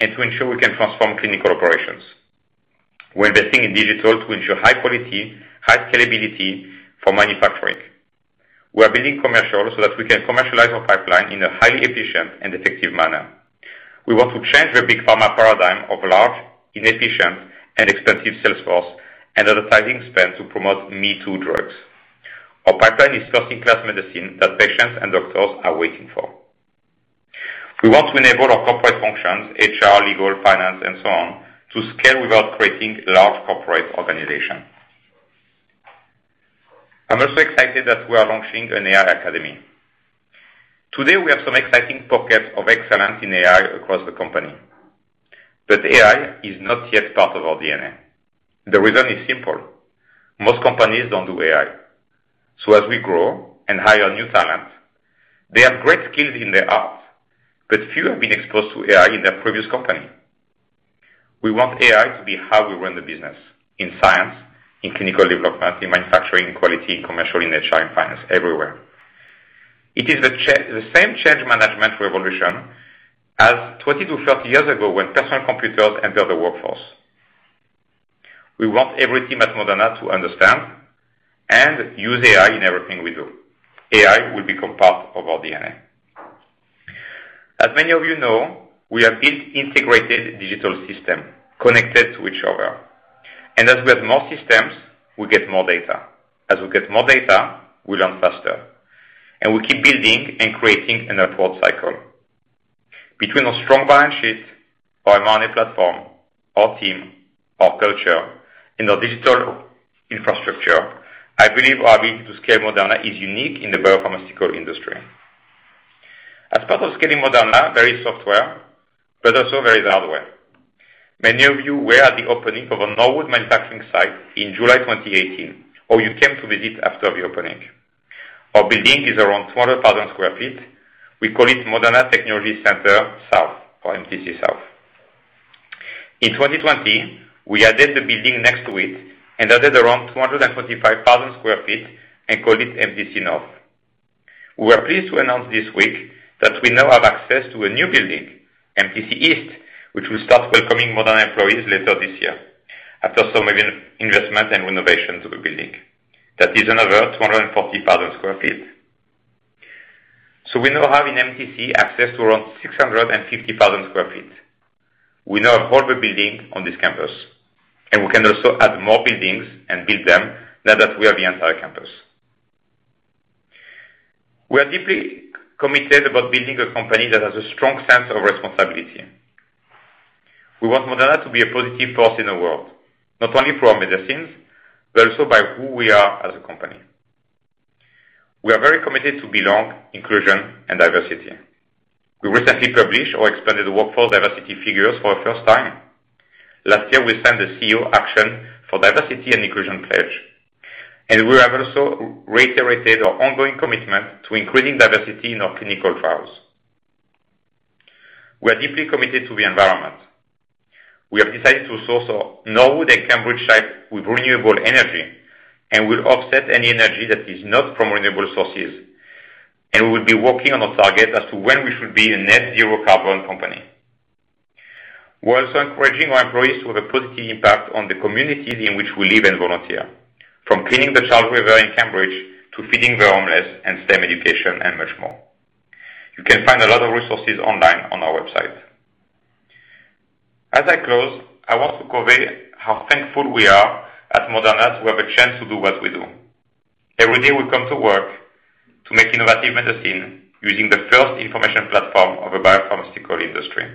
learning, and to ensure we can transform clinical operations. We're investing in digital to ensure high quality, high scalability for manufacturing. We are building commercial so that we can commercialize our pipeline in a highly efficient and effective manner. We want to change the big pharma paradigm of large, inefficient, and expensive sales force and advertising spend to promote me-too drugs. Our pipeline is first-in-class medicine that patients and doctors are waiting for. We want to enable our corporate functions, HR, legal, finance, and so on, to scale without creating large corporate organization. I'm also excited that we are launching an AI Academy. Today, we have some exciting pockets of excellence in AI across the company. AI is not yet part of our DNA. The reason is simple. Most companies don't do AI. As we grow and hire new talent, they have great skills in their art, but few have been exposed to AI in their previous company. We want AI to be how we run the business in science, in clinical development, in manufacturing, quality, commercial, in HR, and finance, everywhere. It is the same change management revolution as 20 to 30 years ago when personal computers entered the workforce. We want every team at Moderna to understand and use AI in everything we do. AI will become part of our DNA. As many of you know, we have built integrated digital system connected to each other, and as we add more systems, we get more data. As we get more data, we learn faster, and we keep building and creating an upward cycle. Between our strong balance sheet, our mRNA platform, our team, our culture, and our digital infrastructure, I believe our ability to scale Moderna is unique in the biopharmaceutical industry. As part of scaling Moderna, there is software, but also there is hardware. Many of you were at the opening of our Norwood manufacturing site in July 2018, or you came to visit after the opening. Our building is around 200,000 sq ft. We call it Moderna Technology Center South or MTC South. In 2020, we added the building next to it and added around 225,000 sq ft and called it MTC North. We were pleased to announce this week that we now have access to a new building, MTC East, which will start welcoming Moderna employees later this year after some investment and renovation to the building. That is another 240,000 sq ft. We now have in MTC access to around 650,000 sq ft. We now have all the building on this campus, and we can also add more buildings and build them now that we have the entire campus. We are deeply committed about building a company that has a strong sense of responsibility. We want Moderna to be a positive force in the world, not only for our medicines, but also by who we are as a company. We are very committed to belong, inclusion, and diversity. We recently published our expanded workforce diversity figures for the first time. Last year, we signed the CEO Action for Diversity & Inclusion pledge, and we have also reiterated our ongoing commitment to increasing diversity in our clinical trials. We are deeply committed to the environment. We have decided to source our Norwood and Cambridge site with renewable energy, and we'll offset any energy that is not from renewable sources, and we will be working on a target as to when we should be a net zero carbon company. We're also encouraging our employees to have a positive impact on the communities in which we live and volunteer. From cleaning the Charles River in Cambridge to feeding the homeless and STEM education and much more. You can find a lot of resources online on our website. As I close, I want to convey how thankful we are at Moderna to have a chance to do what we do. Every day we come to work to make innovative medicine using the first information platform of a biopharmaceutical industry.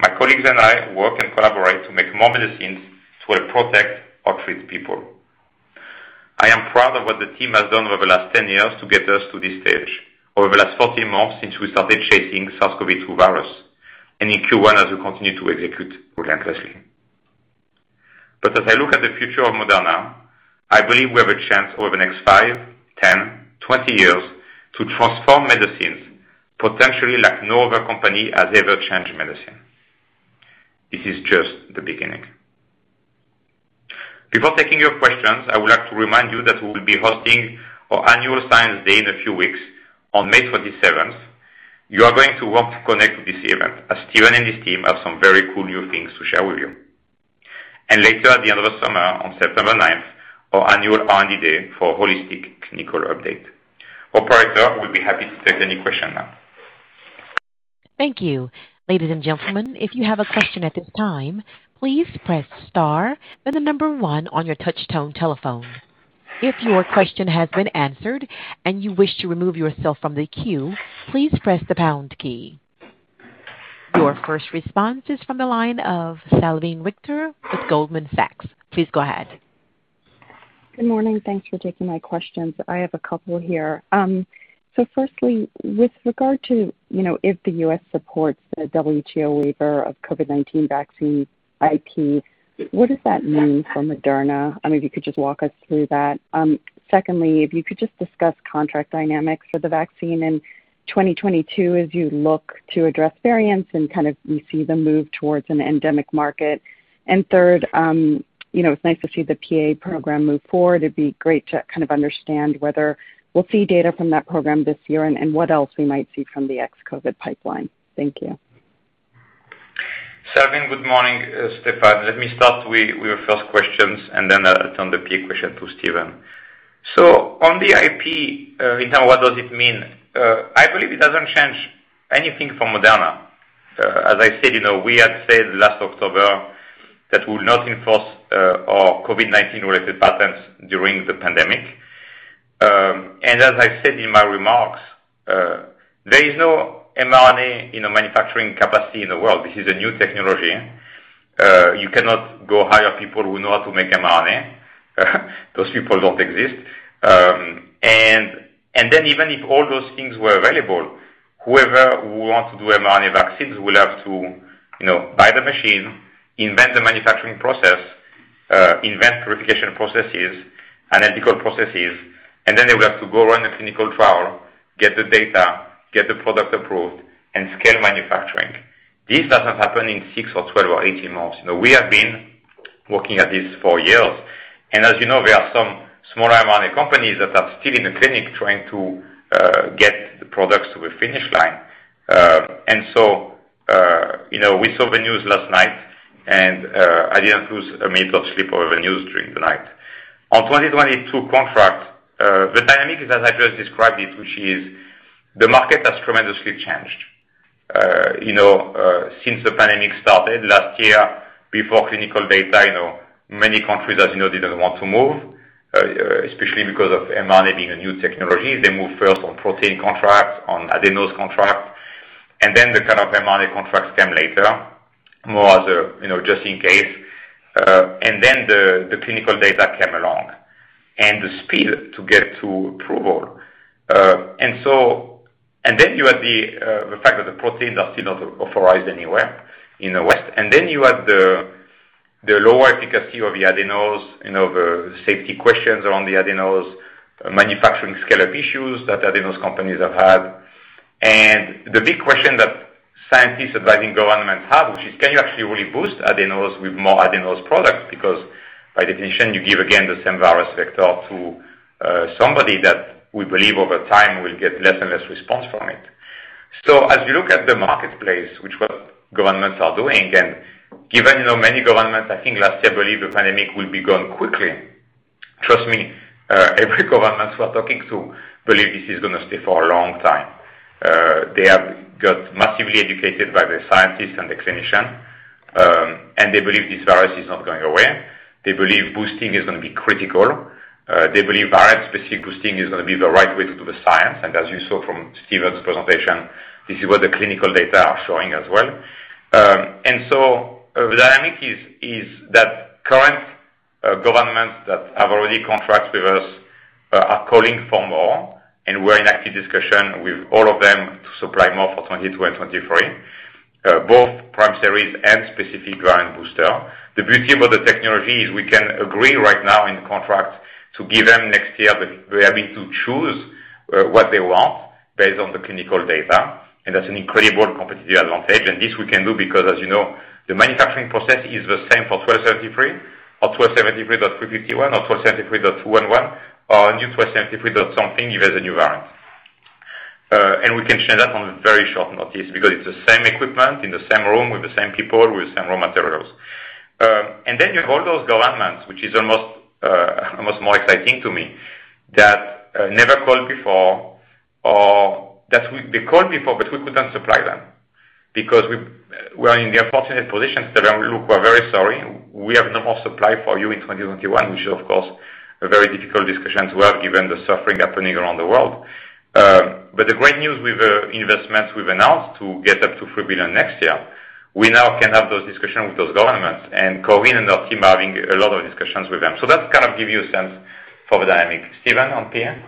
My colleagues and I work and collaborate to make more medicines to help protect or treat people. I am proud of what the team has done over the last 10 years to get us to this stage, over the last 14 months since we started chasing SARS-CoV-2 virus, and in Q1 as we continue to execute relentlessly. As I look at the future of Moderna, I believe we have a chance over the next five, 10, 20 years to transform medicines potentially like no other company has ever changed medicine. This is just the beginning. Before taking your questions, I would like to remind you that we will be hosting our annual Science Day in a few weeks on May 27th. You are going to want to connect to this event, as Stephen and his team have some very cool new things to share with you. Later at the end of the summer on September 9th, our annual R&D Day for holistic clinical update. Operator, we'll be happy to take any question now. Thank you. Ladies and gentlemen, if you have a question at this time, please press star, then the number one on your touch tone telephone. If your question has been answered and you wish to remove yourself from the queue, please press the pound key. Your first response is from the line of Salveen Richter with Goldman Sachs. Please go ahead. Good morning. Thanks for taking my questions. I have a couple here. Firstly, with regard to if the U.S. supports the WTO waiver of COVID-19 vaccine IP, what does that mean for Moderna? If you could just walk us through that. Secondly, if you could just discuss contract dynamics for the vaccine in 2022 as you look to address variants and kind of we see the move towards an endemic market. Third, it's nice to see the PA program move forward. It'd be great to kind of understand whether we'll see data from that program this year and what else we might see from the ex-COVID pipeline. Thank you. Salveen, good morning. Stéphane. Let me start with your first questions, then I'll turn the PA question to Stephen. On the IP, in term, what does it mean? I believe it doesn't change anything for Moderna. As I said, we had said last October that we'll not enforce our COVID-19 related patents during the pandemic. As I said in my remarks, there is no mRNA in a manufacturing capacity in the world. This is a new technology. You cannot go hire people who know how to make mRNA. Those people don't exist. Even if all those things were available, whoever would want to do mRNA vaccines will have to buy the machine, invent the manufacturing process, invent purification processes and ethical processes, and then they will have to go run a clinical trial, get the data, get the product approved, and scale manufacture. This doesn't happen in six or 12 or 18 months. We have been working at this for years. As you know, there are some smaller mRNA companies that are still in the clinic trying to get the products to the finish line. We saw the news last night, and I didn't lose a minute of sleep over the news during the night. On 2022 contracts, the dynamic is as I just described it, which is the market has tremendously changed. Since the pandemic started last year before clinical data, many countries, as you know, didn't want to move, especially because of mRNA being a new technology. They moved first on protein contracts, on adenovirus contracts, and then the kind of mRNA contracts came later, more as a just in case. The clinical data came along. The speed to get to approval. You had the fact that the proteins are still not authorized anywhere in the West. You had the lower efficacy of the adenoviruses, the safety questions around the adenoviruses, manufacturing scale-up issues that adenovirus companies have had. The big question that scientists advising governments have, which is, can you actually really boost adenoviruses with more adenovirus products? By definition, you give, again, the same virus vector to somebody that we believe over time will get less and less response from it. As you look at the marketplace, which is what governments are doing, and given how many governments, I think last year, believed the pandemic will be gone quickly. Trust me, every government we are talking to believe this is going to stay for a long time. They have got massively educated by the scientists and the clinicians, and they believe this virus is not going away. They believe boosting is going to be critical. They believe variant-specific boosting is going to be the right way to do the science. As you saw from Stephen's presentation, this is what the clinical data are showing as well. The dynamic is that current governments that have already contracted with us are calling for more, and we're in active discussion with all of them to supply more for 2022 and 2023, both prime series and specific variant booster. The beauty about the technology is we can agree right now in contract to give them next year the ability to choose what they want based on the clinical data, and that's an incredible competitive advantage. This we can do because, as you know, the manufacturing process is the same for 1273 or 1273.51 or 1273.211 or a new 1273 dot something if there's a new variant. We can change that on very short notice because it's the same equipment in the same room with the same people with the same raw materials. You have all those governments, which is almost more exciting to me, that never called before, or that they called before, but we couldn't supply them because we're in the unfortunate position to tell them, "Look, we're very sorry. We have no more supply for you in 2021," which is, of course, a very difficult discussion to have given the suffering happening around the world. The great news with the investments we've announced to get up to $3 billion next year, we now can have those discussions with those governments. Corinne and her team are having a lot of discussions with them. That kind of gives you a sense for the dynamic. Stephen, on PPA?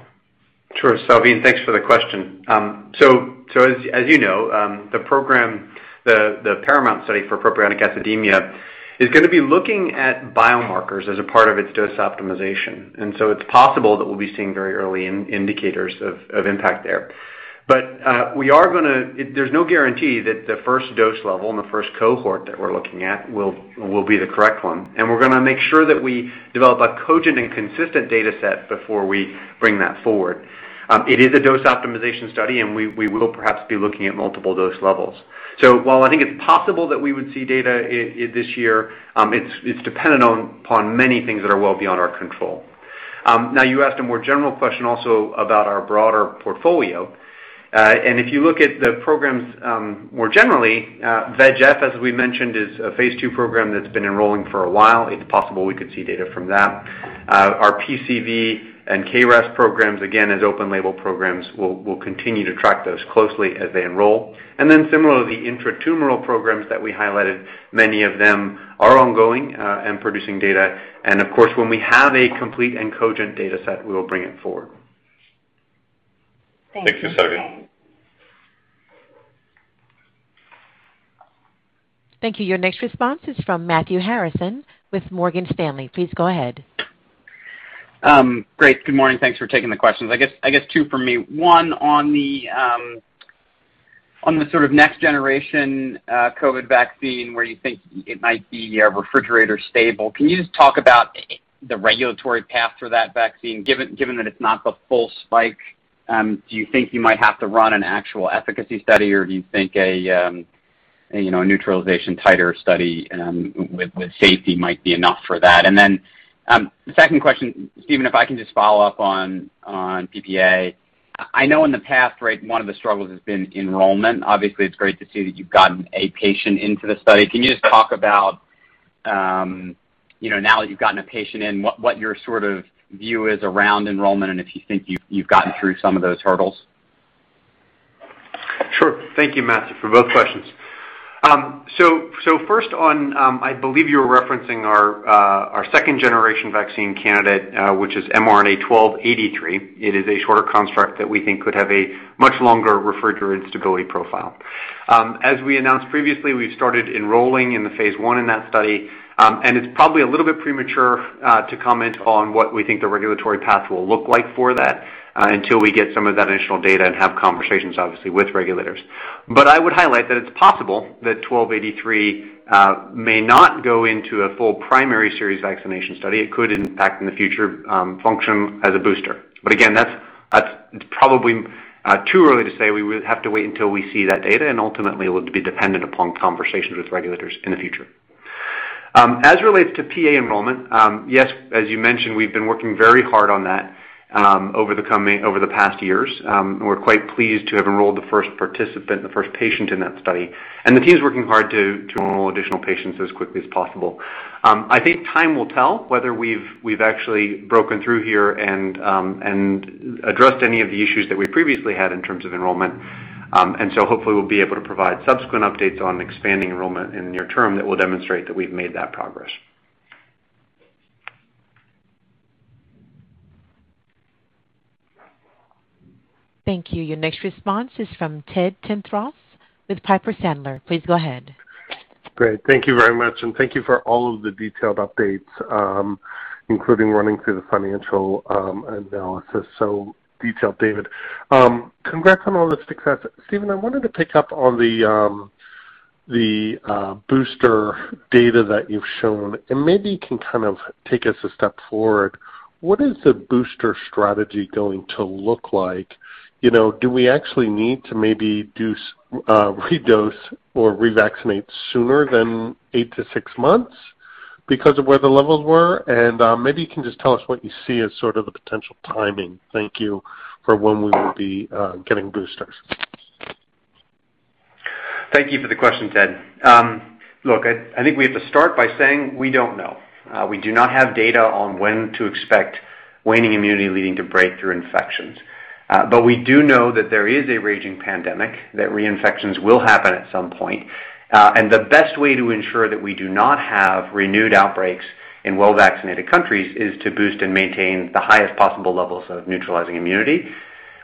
Sure. Salveen, thanks for the question. As you know, the program, the PARAMOUNT study for propionic acidemia, is going to be looking at biomarkers as a part of its dose optimization. It's possible that we'll be seeing very early indicators of impact there. There's no guarantee that the first dose level and the first cohort that we're looking at will be the correct one. We're going to make sure that we develop a cogent and consistent data set before we bring that forward. It is a dose optimization study, and we will perhaps be looking at multiple dose levels. While I think it's possible that we would see data this year, it's dependent upon many things that are well beyond our control. Now, you asked a more general question also about our broader portfolio. If you look at the programs more generally, VEGF, as we mentioned, is a phase II program that's been enrolling for a while. It's possible we could see data from that. Our PCV and KRAS programs, again, as open label programs, we'll continue to track those closely as they enroll. Similarly, the intratumoral programs that we highlighted, many of them are ongoing and producing data. Of course, when we have a complete and cogent data set, we will bring it forward. Thank you, Savine. Thank you. Your next response is from Matthew Harrison with Morgan Stanley. Please go ahead. Great. Good morning. Thanks for taking the questions. I guess two from me. One on the sort of next generation COVID-19 vaccine where you think it might be refrigerator stable. Can you just talk about the regulatory path for that vaccine, given that it's not the full spike? Do you think you might have to run an actual efficacy study, or do you think a neutralization titer study with safety might be enough for that? The second question, Stephen, if I can just follow up on PPA. I know in the past, one of the struggles has been enrollment. Obviously, it's great to see that you've gotten a patient into the study. Can you just talk about now that you've gotten a patient in, what your sort of view is around enrollment, and if you think you've gotten through some of those hurdles? Thank you, Matthew, for both questions. First on, I believe you're referencing our second-generation vaccine candidate, which is mRNA-1283. It is a shorter construct that we think could have a much longer refrigerator stability profile. As we announced previously, we've started enrolling in the phase I in that study, it's probably a little bit premature to comment on what we think the regulatory path will look like for that until we get some of that initial data and have conversations, obviously, with regulators. I would highlight that it's possible that 1283 may not go into a full primary series vaccination study. It could, in fact, in the future, function as a booster. Again, that's probably too early to say. We would have to wait until we see that data, ultimately it would be dependent upon conversations with regulators in the future. As it relates to PA enrollment, yes, as you mentioned, we've been working very hard on that over the past years. We're quite pleased to have enrolled the first participant, the first patient in that study, and the team's working hard to enroll additional patients as quickly as possible. I think time will tell whether we've actually broken through here and addressed any of the issues that we previously had in terms of enrollment. Hopefully we'll be able to provide subsequent updates on expanding enrollment in the near term that will demonstrate that we've made that progress. Thank you. Your next response is from Ted Tenthoff with Piper Sandler. Please go ahead. Great. Thank you very much, thank you for all of the detailed updates, including running through the financial analysis. So detailed, David. Congrats on all the success. Stéphane, I wanted to pick up on the booster data that you've shown, maybe you can take us a step forward. What is the booster strategy going to look like? Do we actually need to maybe redose or revaccinate sooner than eight to six months because of where the levels were? Maybe you can just tell us what you see as sort of the potential timing for when we will be getting boosters. Thank you. Thank you for the question, Ted. Look, I think we have to start by saying we don't know. We do not have data on when to expect waning immunity leading to breakthrough infections. We do know that there is a raging pandemic, that reinfections will happen at some point. The best way to ensure that we do not have renewed outbreaks in well-vaccinated countries is to boost and maintain the highest possible levels of neutralizing immunity.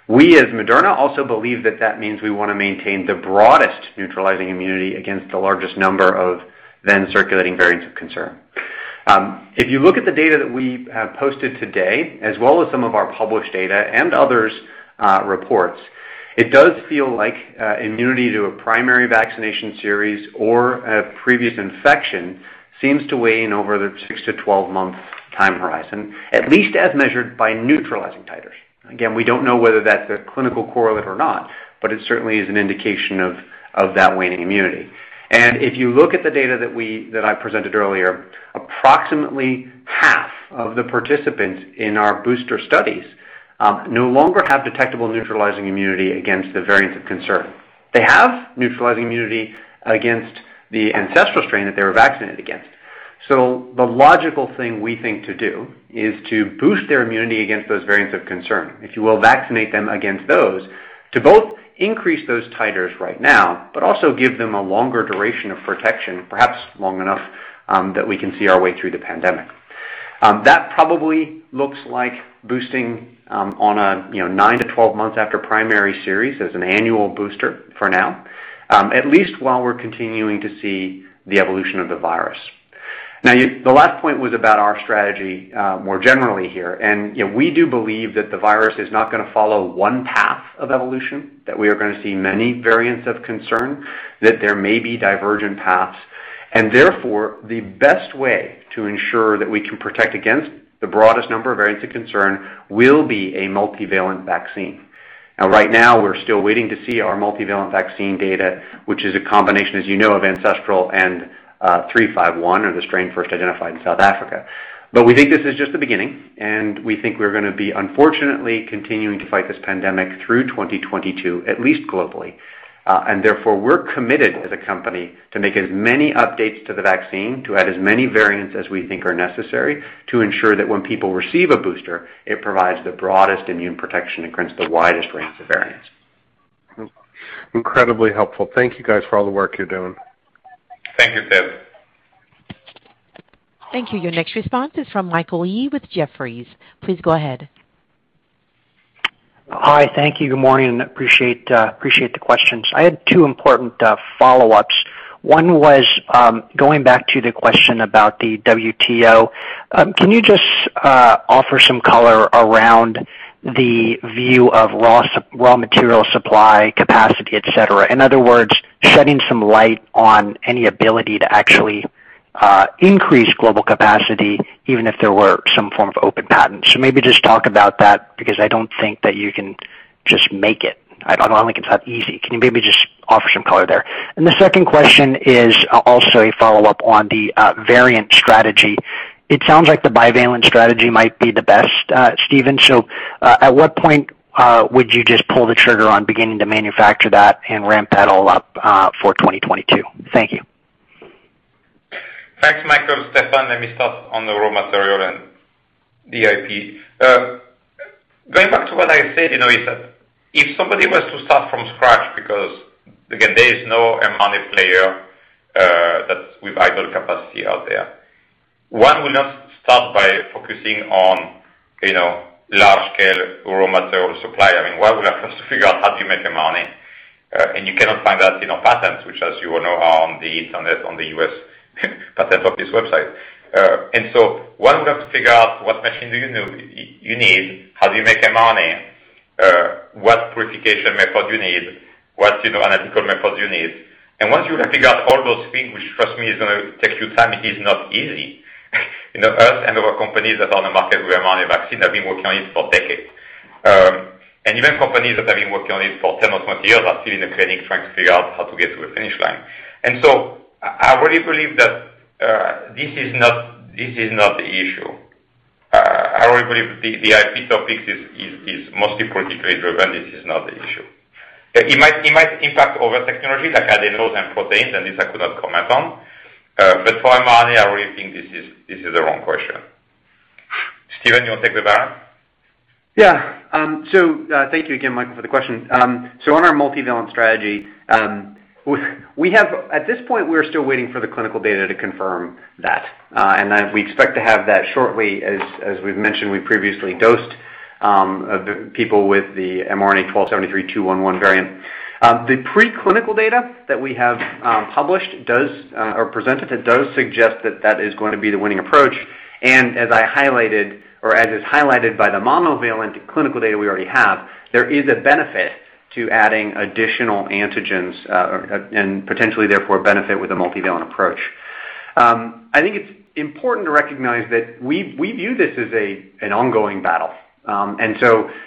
We, as Moderna, also believe that that means we want to maintain the broadest neutralizing immunity against the largest number of then-circulating variants of concern. If you look at the data that we have posted today, as well as some of our published data and others' reports, it does feel like immunity to a primary vaccination series or a previous infection seems to wane over the six to 12 months time horizon, at least as measured by neutralizing titers. We don't know whether that's a clinical correlate or not, but it certainly is an indication of that waning immunity. If you look at the data that I presented earlier, approximately half of the participants in our booster studies no longer have detectable neutralizing immunity against the variants of concern. They have neutralizing immunity against the ancestral strain that they were vaccinated against. The logical thing we think to do is to boost their immunity against those variants of concern, if you will, vaccinate them against those to both increase those titers right now, but also give them a longer duration of protection, perhaps long enough that we can see our way through the pandemic. That probably looks like boosting on a 9 to 12 months after primary series as an annual booster for now, at least while we're continuing to see the evolution of the virus. The last point was about our strategy more generally here. We do believe that the virus is not going to follow one path of evolution, that we are going to see many variants of concern, that there may be divergent paths, and therefore the best way to ensure that we can protect against the broadest number of variants of concern will be a multivalent vaccine. Now, right now, we're still waiting to see our multivalent vaccine data, which is a combination, as you know, of ancestral and B.1.351, or the strain first identified in South Africa. We think this is just the beginning, and we think we're going to be unfortunately continuing to fight this pandemic through 2022, at least globally. Therefore, we're committed as a company to make as many updates to the vaccine, to add as many variants as we think are necessary to ensure that when people receive a booster, it provides the broadest immune protection against the widest range of variants. Incredibly helpful. Thank you guys for all the work you're doing. Thank you, Ted. Thank you. Your next response is from Michael Yee with Jefferies. Please go ahead. Hi. Thank you. Good morning. Appreciate the questions. I had two important follow-ups. One was going back to the question about the WTO. Can you just offer some color around the view of raw material supply capacity, et cetera? In other words, shedding some light on any ability to actually increase global capacity, even if there were some form of open patent. Maybe just talk about that, because I don't think that you can just make it. I don't think it's that easy. Can you maybe just offer some color there? The second question is also a follow-up on the variant strategy. It sounds like the bivalent strategy might be the best, Stéphane. At what point would you just pull the trigger on beginning to manufacture that and ramp that all up for 2022? Thank you. Thanks, Michael. Stéphane, let me start on the raw material and the IP. Going back to what I said, is that if somebody was to start from scratch, because again, there is no mRNA player. That's with idle capacity out there. One will not start by focusing on large-scale raw material supply. I mean, one will have first to figure out how do you make mRNA, and you cannot find that in our patents, which as you all know, are on the internet, on the U.S. patents office website. One would have to figure out what machine do you need, how do you make mRNA, what purification method you need, what analytical methods you need. Once you have figured out all those things, which trust me, is going to take you time, it is not easy. Us and other companies that are on the market with mRNA vaccine have been working on it for decades. Even companies that have been working on it for 10 or 20 years are still in the clinic trying to figure out how to get to the finish line. I really believe that this is not the issue. I really believe the IP topics is mostly politically driven. This is not the issue. It might impact other technology like adenoviruses and proteins, and this I could not comment on. For mRNA, I really think this is the wrong question. Stephen, you want to take the baton? Yeah. Thank you again, Michael, for the question. On our multivalent strategy, at this point, we're still waiting for the clinical data to confirm that. We expect to have that shortly. As we've mentioned, we previously dosed people with the mRNA-1273.211 variant. The preclinical data that we have published or presented, it does suggest that that is going to be the winning approach. As I highlighted, or as is highlighted by the monovalent clinical data we already have, there is a benefit to adding additional antigens, and potentially therefore benefit with a multivalent approach. I think it's important to recognize that we view this as an ongoing battle.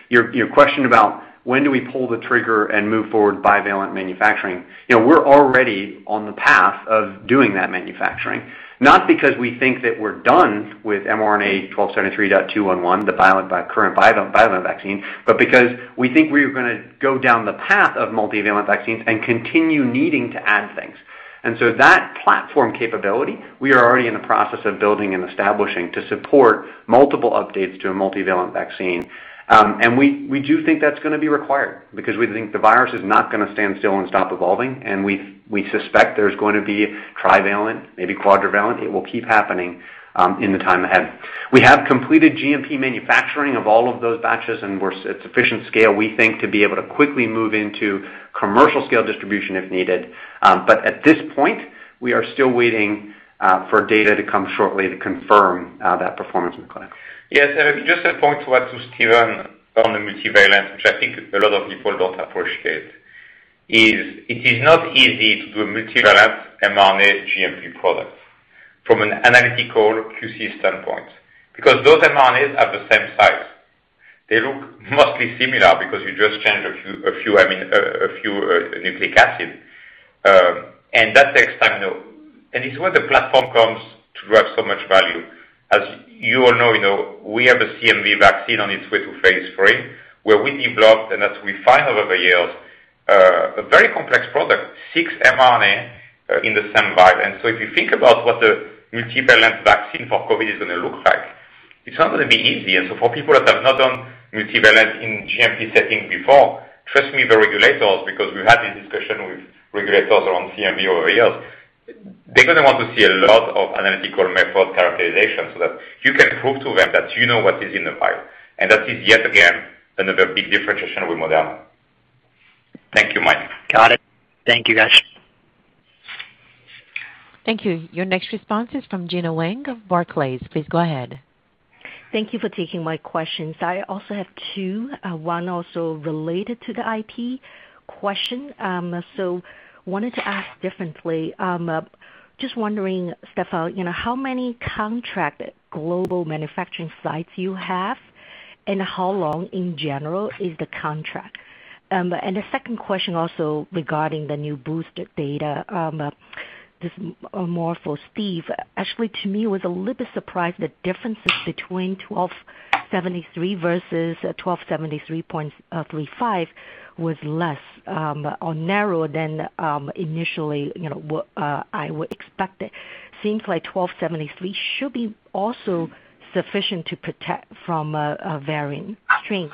Your question about when do we pull the trigger and move forward bivalent manufacturing, we're already on the path of doing that manufacturing, not because we think that we're done with mRNA-1273.211, the current bivalent vaccine, but because we think we are going to go down the path of multivalent vaccines and continue needing to add things. That platform capability, we are already in the process of building and establishing to support multiple updates to a multivalent vaccine. We do think that's going to be required because we think the virus is not going to stand still and stop evolving, and we suspect there's going to be trivalent, maybe quadrivalent. It will keep happening in the time ahead. We have completed GMP manufacturing of all of those batches, and we're at sufficient scale, we think, to be able to quickly move into commercial scale distribution if needed. At this point, we are still waiting for data to come shortly to confirm that performance in the clinic. Just a point to add to Stephen on the multivalent, which I think a lot of people don't appreciate, is it is not easy to do a multivalent mRNA GMP product from an analytical QC standpoint, because those mRNAs are the same size. They look mostly similar because you just change a few nucleic acid. That takes time, and it's where the platform comes to drive so much value. As you all know, we have a CMV vaccine on its way to phase III, where we developed, and as we find over the years, a very complex product, six mRNA in the same vial. If you think about what the multivalent vaccine for COVID is going to look like, it's not going to be easy. For people that have not done multivalent in GMP setting before, trust me, the regulators, because we've had this discussion with regulators around CMV over the years, they're going to want to see a lot of analytical method characterization so that you can prove to them that you know what is in the vial. That is yet again, another big differentiation with Moderna. Thank you, Mike. Got it. Thank you, guys. Thank you. Your next response is from Gena Wang of Barclays. Please go ahead. Thank you for taking my questions. I also have two, one also related to the IP question. Wanted to ask differently. Just wondering, Stéphane, how many contract global manufacturing sites you have, and how long in general is the contract? The second question also regarding the new booster data. This more for Stephen Hoge. Actually, to me, I was a little bit surprised the differences between mRNA-1273 versus mRNA-1273.351 was less or narrower than initially I would expect it. Seems like mRNA-1273 should be also sufficient to protect from a varying strain.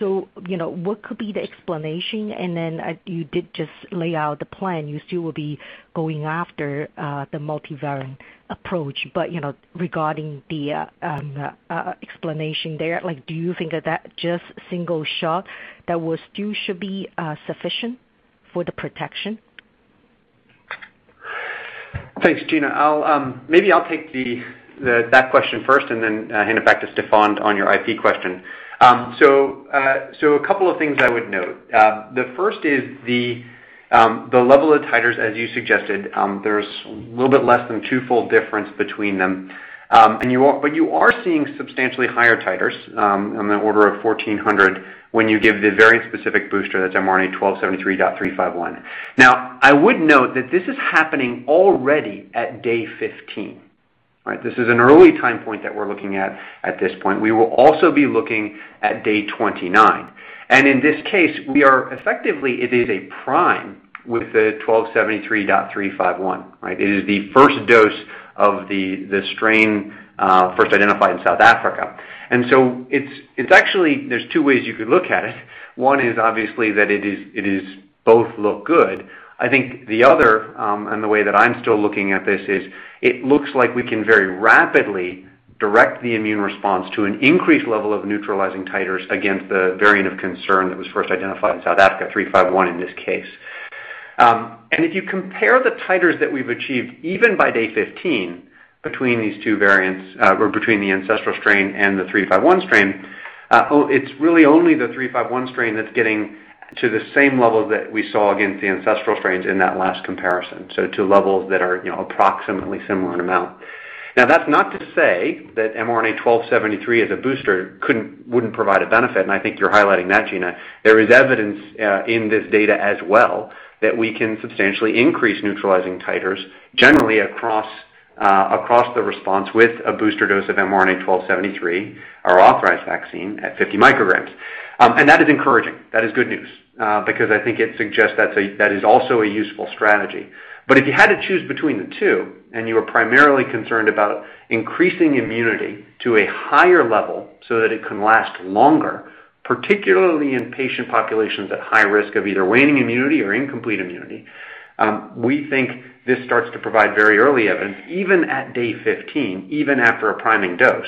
What could be the explanation? You did just lay out the plan. You still will be going after the multivalent approach, but regarding the explanation there, do you think that just single shot that was dose should be sufficient for the protection? Thanks, Gena. Maybe I'll take that question first and then hand it back to Stéphane on your IP question. A couple of things I would note. The first is the level of titers, as you suggested, there's a little bit less than twofold difference between them. You are seeing substantially higher titers, on the order of 1,400 when you give the variant specific booster, that's mRNA-1273.351. I would note that this is happening already at day 15. This is an early time point that we're looking at at this point. We will also be looking at day 29. In this case, effectively it is a prime with the mRNA-1273.351. It is the first dose of the strain first identified in South Africa. Actually, there's two ways you could look at it. One is obviously that it is both look good. I think the other, and the way that I'm still looking at this is, it looks like we can very rapidly direct the immune response to an increased level of neutralizing titers against the variant of concern that was first identified in South Africa, 351 in this case. If you compare the titers that we've achieved, even by day 15, between these two variants, or between the ancestral strain and the 351 strain, it's really only the 351 strain that's getting to the same level that we saw against the ancestral strains in that last comparison. To levels that are approximately similar in amount. Now, that's not to say that mRNA-1273 as a booster wouldn't provide a benefit, and I think you're highlighting that, Gena. There is evidence in this data as well, that we can substantially increase neutralizing titers generally across the response with a booster dose of mRNA-1273, our authorized vaccine, at 50 micrograms. That is encouraging. That is good news. I think it suggests that is also a useful strategy. If you had to choose between the two, and you were primarily concerned about increasing immunity to a higher level so that it can last longer, particularly in patient populations at high risk of either waning immunity or incomplete immunity, we think this starts to provide very early evidence, even at day 15, even after a priming dose,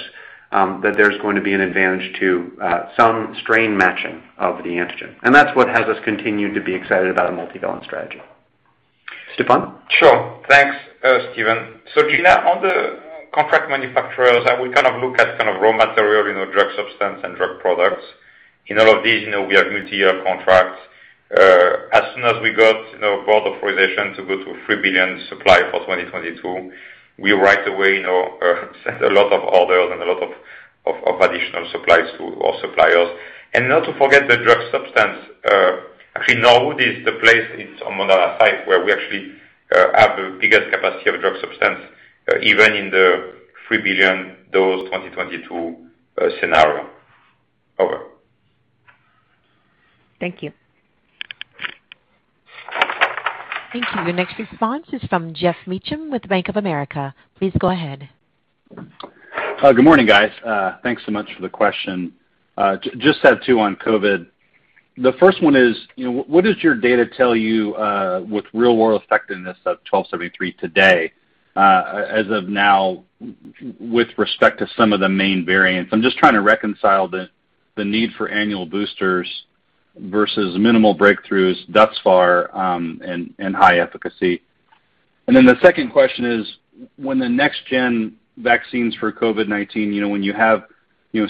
that there's going to be an advantage to some strain matching of the antigen. That's what has us continue to be excited about a multivalent strategy. Stéphane? Sure. Thanks, Stephen. So Gena, on the contract manufacturers, we look at raw material, drug substance and drug products. In all of these, we have multi-year contracts. As soon as we got board authorization to go to a 3 billion supply for 2022, we right away sent a lot of orders and a lot of additional supplies to our suppliers. Not to forget the drug substance, actually, now this is the place, it is on Moderna site, where we actually have the biggest capacity of drug substance, even in the 3 billion dose 2022 scenario. Over. Thank you. Thank you. The next response is from Geoff Meacham with Bank of America. Please go ahead. Good morning, guys. Thanks so much for the question. Just have two on COVID. The first one is, what does your data tell you, with real world effectiveness of 1273 today, as of now, with respect to some of the main variants? I'm just trying to reconcile the need for annual boosters versus minimal breakthroughs thus far, and high efficacy. The second question is, when the next-gen vaccines for COVID-19, when you have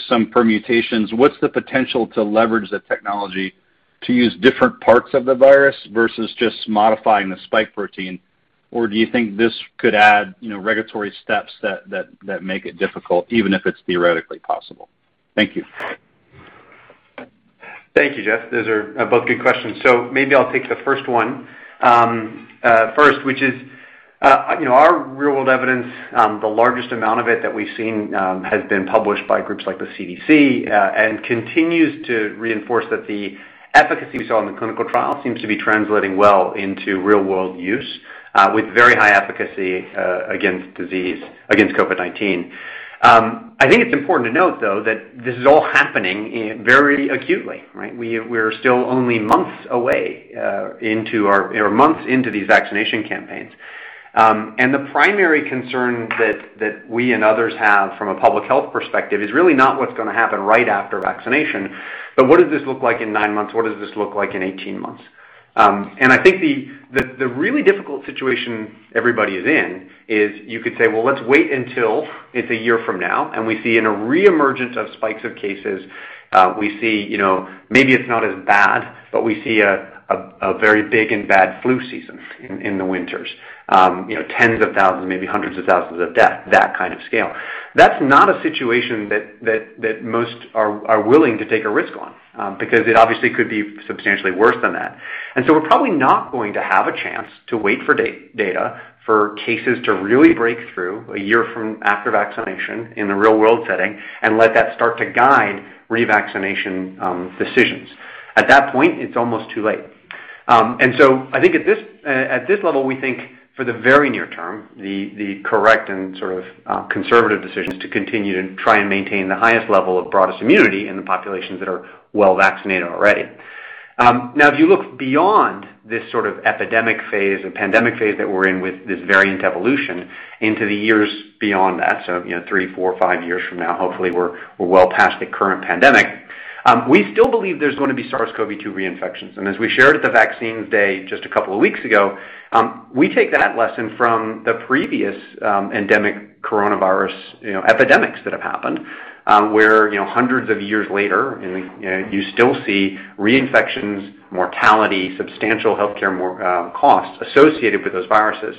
some permutations, what's the potential to leverage the technology to use different parts of the virus versus just modifying the spike protein? Do you think this could add regulatory steps that make it difficult, even if it's theoretically possible? Thank you. Thank you, Geoff. Those are both good questions. Maybe I'll take the first one. First, which is our real world evidence, the largest amount of it that we've seen has been published by groups like the CDC, and continues to reinforce that the efficacy we saw in the clinical trial seems to be translating well into real world use, with very high efficacy, against COVID-19. I think it's important to note, though, that this is all happening very acutely, right? We're still only months into these vaccination campaigns. The primary concern that we and others have from a public health perspective is really not what's going to happen right after vaccination, but what does this look like in nine months? What does this look like in 18 months? I think the really difficult situation everybody is in is you could say, well, let's wait until it's a year from now, and we see in a reemergence of spikes of cases, we see maybe it's not as bad, but we see a very big and bad flu season in the winters. Tens of thousands, maybe hundreds of thousands of deaths, that kind of scale. That's not a situation that most are willing to take a risk on. It obviously could be substantially worse than that. We're probably not going to have a chance to wait for data for cases to really break through a year from after vaccination in the real-world setting and let that start to guide revaccination decisions. At that point, it's almost too late. I think at this level, we think for the very near term, the correct and sort of conservative decision is to continue to try and maintain the highest level of broadest immunity in the populations that are well vaccinated already. Now, if you look beyond this sort of epidemic phase or pandemic phase that we're in with this variant evolution into the years beyond that, so, three, four, five years from now, hopefully we're well past the current pandemic, we still believe there's going to be SARS-CoV-2 reinfections. As we shared at the vaccines day just a couple of weeks ago, we take that lesson from the previous endemic coronavirus epidemics that have happened, where hundreds of years later, you still see reinfections, mortality, substantial healthcare costs associated with those viruses.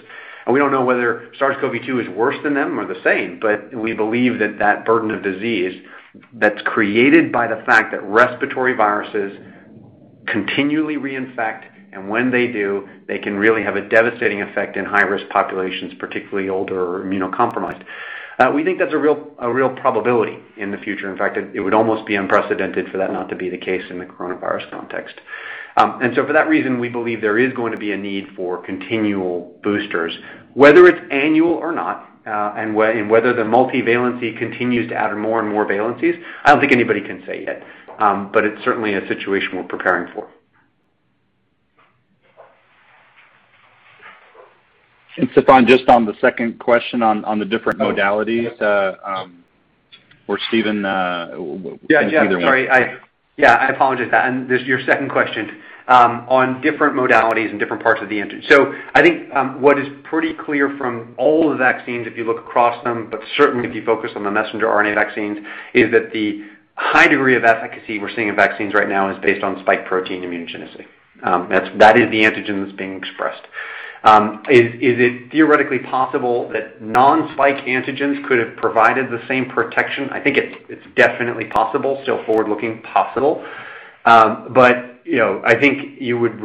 We don't know whether SARS-CoV-2 is worse than them or the same, but we believe that that burden of disease that's created by the fact that respiratory viruses continually reinfect, and when they do, they can really have a devastating effect in high-risk populations, particularly older or immunocompromised. We think that's a real probability in the future. In fact, it would almost be unprecedented for that not to be the case in the coronavirus context. For that reason, we believe there is going to be a need for continual boosters. Whether it's annual or not, and whether the multivalency continues to add more and more valencies, I don't think anybody can say yet. It's certainly a situation we're preparing for. Stéphane, just on the second question on the different modalities, or Stephen, either one. Yeah, sorry. I apologize. Your second question on different modalities and different parts of the antigen. I think what is pretty clear from all the vaccines, if you look across them, but certainly if you focus on the messenger RNA vaccines, is that the high degree of efficacy we're seeing in vaccines right now is based on spike protein immunogenicity. That is the antigen that's being expressed. Is it theoretically possible that non-spike antigens could have provided the same protection? I think it's definitely possible, still forward-looking possible. I think you would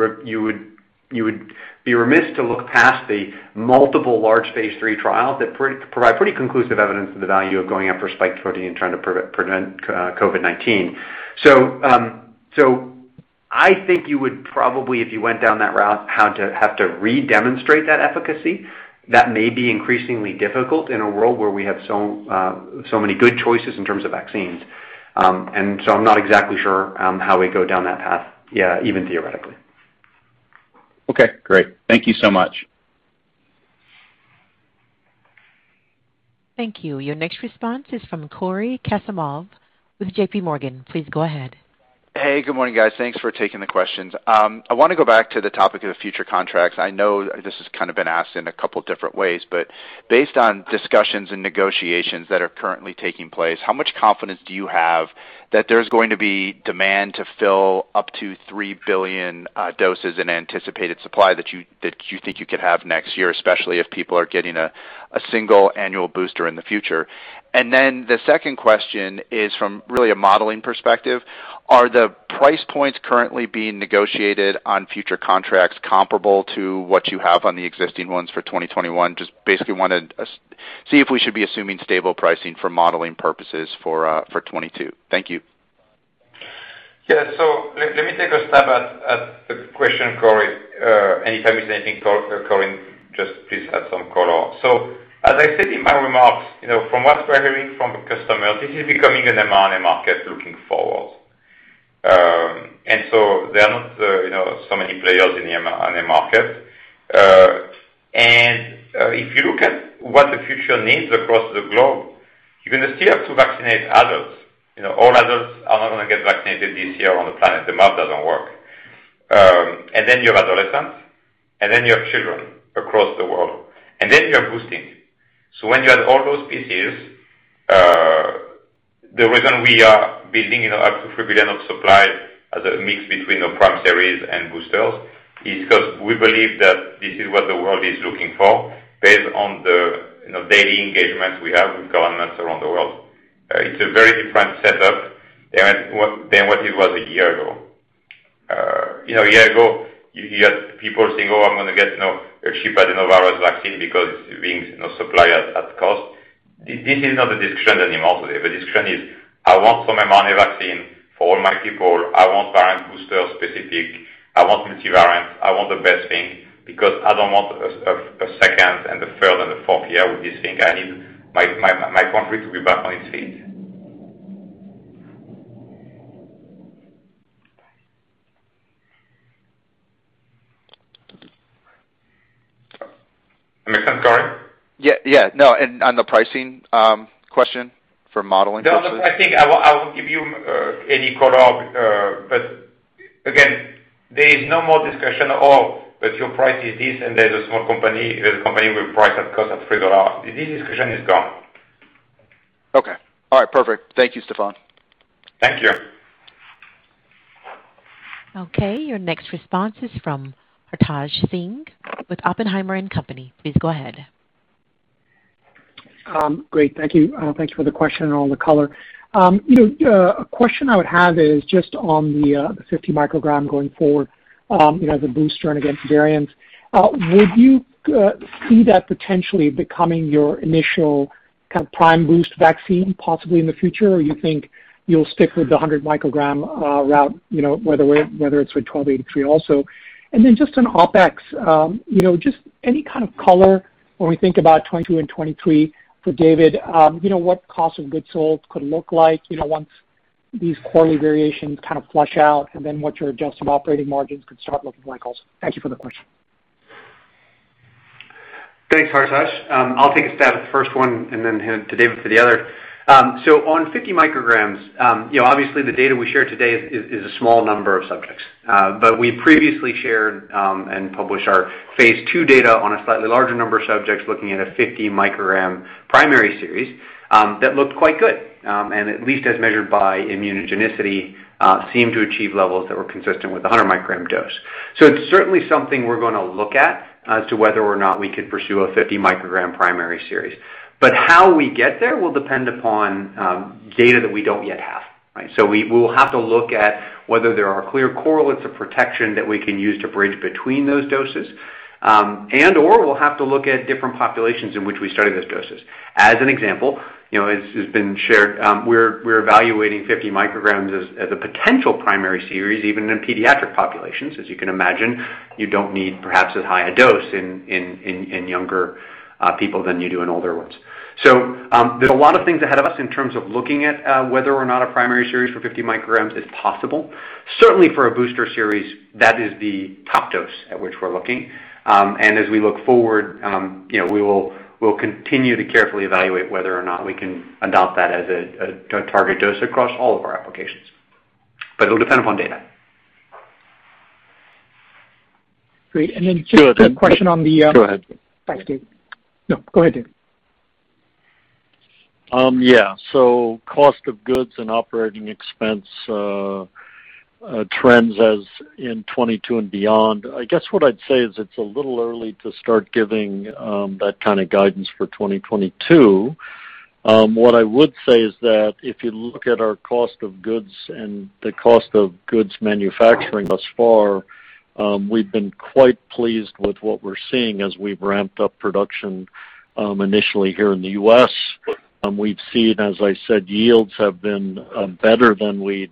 be remiss to look past the multiple large phase III trials that provide pretty conclusive evidence of the value of going after spike protein and trying to prevent COVID-19. I think you would probably, if you went down that route, have to re-demonstrate that efficacy. That may be increasingly difficult in a world where we have so many good choices in terms of vaccines. I'm not exactly sure how we go down that path, even theoretically. Okay, great. Thank you so much. Thank you. Your next response is from Cory Kasimov with JPMorgan. Please go ahead. Hey, good morning, guys. Thanks for taking the questions. I want to go back to the topic of the future contracts. I know this has kind of been asked in a couple different ways, but based on discussions and negotiations that are currently taking place, how much confidence do you have that there's going to be demand to fill up to 3 billion doses in anticipated supply that you think you could have next year, especially if people are getting a single annual booster in the future? The second question is from really a modeling perspective, are the price points currently being negotiated on future contracts comparable to what you have on the existing ones for 2021? Just basically wanted to see if we should be assuming stable pricing for modeling purposes for 2022. Thank you. Yeah. Let me take a stab at the question, Cory. Anytime there's anything, Cory, just please add some color. As I said in my remarks, from what we're hearing from customers, this is becoming an mRNA market looking forward. There are not so many players in the mRNA market. If you look at what the future needs across the globe, you're going to still have to vaccinate adults. All adults are not going to get vaccinated this year on the planet. The math doesn't work. You have adolescents, and then you have children across the world, and then you have boosting. When you add all those pieces, the reason we are building up to 3 billion of supply as a mix between prime series and boosters is because we believe that this is what the world is looking for based on the daily engagements we have with governments around the world. It's a very different setup than what it was a year ago. A year ago, you had people saying, "Oh, I'm going to get a cheaper adenovirus vaccine because it's being supplied at cost." This is not the discussion anymore today. The discussion is, "I want some mRNA vaccine for all my people. I want variant booster specific. I want multivariant. I want the best thing because I don't want a second and a third and a fourth year with this thing. I need my country to be back on its feet." Make sense, Cory? Yeah. No, on the pricing question for modeling purposes. No, look, I think I won't give you any color. Again, there is no more discussion at all that your price is this, and there's a small company, there's a company with price at cost of $3. This discussion is gone. Okay. All right, perfect. Thank you, Stéphane. Thank you. Okay, your next response is from Hartaj Singh with Oppenheimer & Company. Please go ahead. Great, thank you. Thanks for the question and all the color. A question I would have is on the 50 microgram going forward, as a booster and against variants. Would you see that potentially becoming your initial prime boost vaccine possibly in the future? Do you think you'll stick with the 100 microgram route, whether it's with mRNA-1283 also? On OpEx, any color when we think about 2022 and 2023 for David Meline, what cost of goods sold could look like, once these quarterly variations flush out, and what your adjusted operating margins could start looking like also. Thank you for the question. Thanks, Hartaj. I'll take a stab at the first one and then hand to David for the other. On 50 micrograms, obviously the data we shared today is a small number of subjects. We previously shared and published our phase II data on a slightly larger number of subjects looking at a 50 microgram primary series that looked quite good, and at least as measured by immunogenicity, seemed to achieve levels that were consistent with the 100 microgram dose. It's certainly something we're going to look at as to whether or not we could pursue a 50 microgram primary series. How we get there will depend upon data that we don't yet have, right? We will have to look at whether there are clear correlates of protection that we can use to bridge between those doses, and/or we'll have to look at different populations in which we study those doses. As an example, as has been shared, we're evaluating 50 micrograms as a potential primary series, even in pediatric populations. As you can imagine, you don't need perhaps as high a dose in younger people than you do in older ones. There's a lot of things ahead of us in terms of looking at whether or not a primary series for 50 micrograms is possible. Certainly for a booster series, that is the top dose at which we're looking. As we look forward, we'll continue to carefully evaluate whether or not we can adopt that as a target dose across all of our applications. It'll depend upon data. Great. Just a question on. Go ahead. Thanks, Dave. No, go ahead, Dave. Yeah. Cost of goods and operating expense trends as in 2022 and beyond. I guess what I'd say is it's a little early to start giving that kind of guidance for 2022. What I would say is that if you look at our cost of goods and the cost of goods manufacturing thus far, we've been quite pleased with what we're seeing as we've ramped up production initially here in the U.S. We've seen, as I said, yields have been better than we'd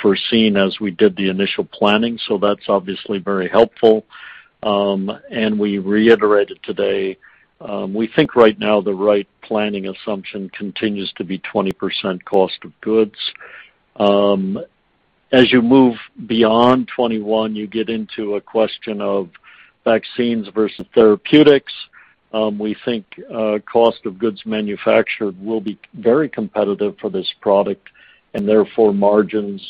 foreseen as we did the initial planning, so that's obviously very helpful. We reiterated today, we think right now the right planning assumption continues to be 20% cost of goods. As you move beyond 2021, you get into a question of vaccines versus therapeutics. We think cost of goods manufactured will be very competitive for this product, and therefore margins,